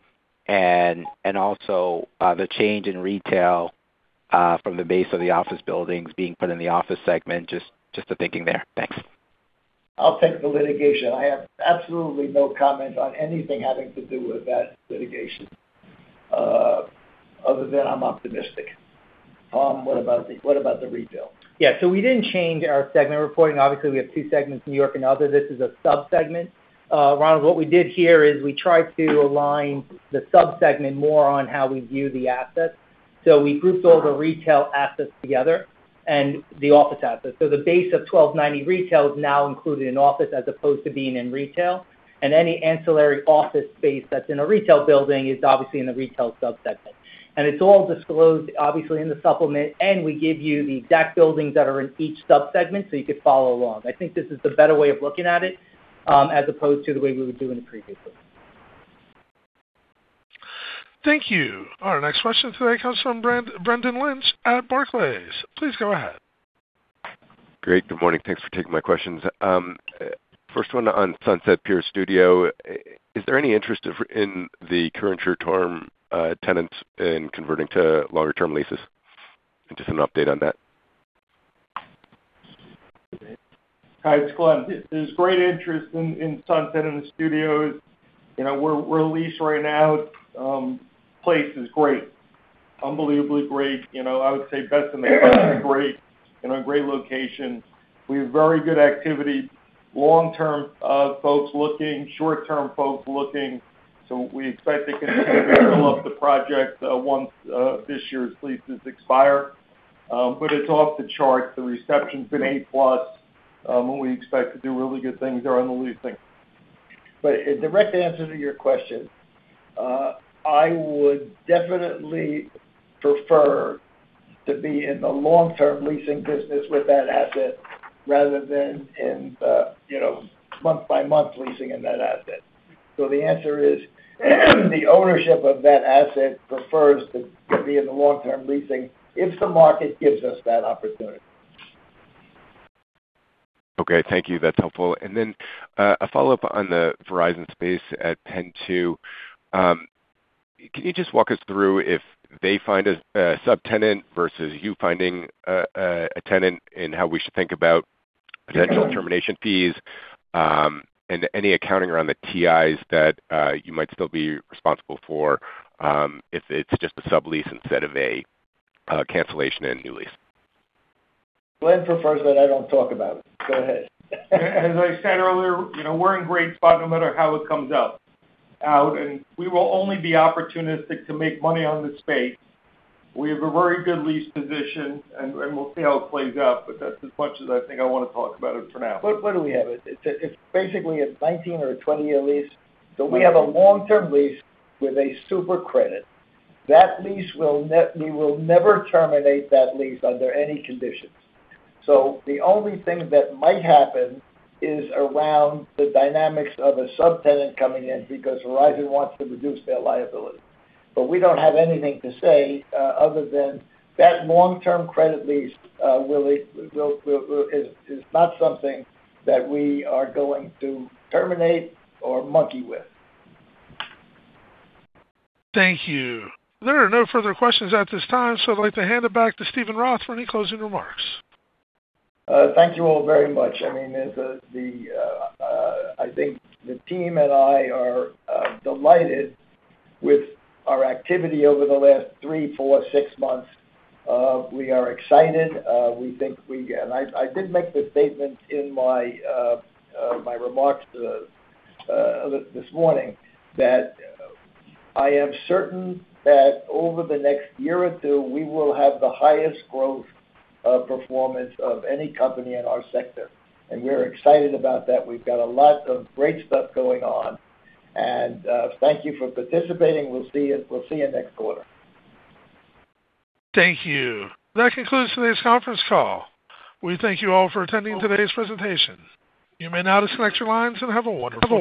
Also, the change in retail from the base of the office buildings being put in the office segment, just the thinking there. Thanks. I'll take the litigation. I have absolutely no comment on anything having to do with that litigation, other than I'm optimistic. Tom, what about the retail? Yeah. We didn't change our segment reporting. Obviously, we have two segments, New York and other. This is a subsegment. Ronald, what we did here is we tried to align the subsegment more on how we view the assets. We grouped all the Retail assets together and the Office assets. The base of 1290 Retail is now included in Office as opposed to being in Retail. Any ancillary Office space that's in a Retail building is obviously in the Retail subsegment. It's all disclosed, obviously, in the supplement, and we give you the exact buildings that are in each subsegment, so you could follow along. I think this is the better way of looking at it, as opposed to the way we were doing it previously. Thank you. Our next question today comes from Brendan Lynch at Barclays. Please go ahead. Great. Good morning. Thanks for taking my questions. First one on Sunset Pier Studio. Is there any interest in the current short-term tenants in converting to longer term leases? Just an update on that. Hi, it's Glen. There's great interest in Sunset and the studios. You know, we're leased right now. Place is great. Unbelievably great. You know, I would say best in a great location. We have very good activity. Long-term folks looking, short-term folks looking. We expect to continue to fill up the project once this year's leases expire. It's off the charts. The reception's been A plus. We expect to do really good things around the leasing. A direct answer to your question, I would definitely prefer to be in the long-term leasing business with that asset rather than in the, you know, month-by-month leasing in that asset. The answer is the ownership of that asset prefers to be in the long-term leasing if the market gives us that opportunity. Okay. Thank you. That's helpful. A follow-up on the Verizon space at PENN 2. Can you just walk us through if they find a subtenant versus you finding a tenant and how we should think about potential termination fees, and any accounting around the TIs that you might still be responsible for, if it's just a sublease instead of a cancellation and new lease? Glen prefers that I don't talk about it. Go ahead. As I said earlier, you know, we're in great spot no matter how it comes out, we will only be opportunistic to make money on the space. We have a very good lease position, and we'll see how it plays out. That's as much as I think I wanna talk about it for now. What do we have? It's basically a 19 or a 20-year lease. We have a long-term lease with a super credit. That lease will never terminate that lease under any conditions. The only thing that might happen is around the dynamics of a subtenant coming in because Verizon wants to reduce their liability. We don't have anything to say other than that long-term credit lease really will is not something that we are going to terminate or monkey with. Thank you. There are no further questions at this time, so I'd like to hand it back to Steven Roth for any closing remarks. Thank you all very much. I mean, the, I think the team and I are delighted with our activity over the last three, four, six months. We are excited. I did make the statement in my remarks this morning that I am certain that over the next one or two, we will have the highest growth performance of any company in our sector. We're excited about that. We've got a lot of great stuff going on. Thank you for participating. We'll see you next quarter. Thank you. That concludes today's conference call. We thank you all for attending today's presentation. You may now disconnect your lines, and have a wonderful day.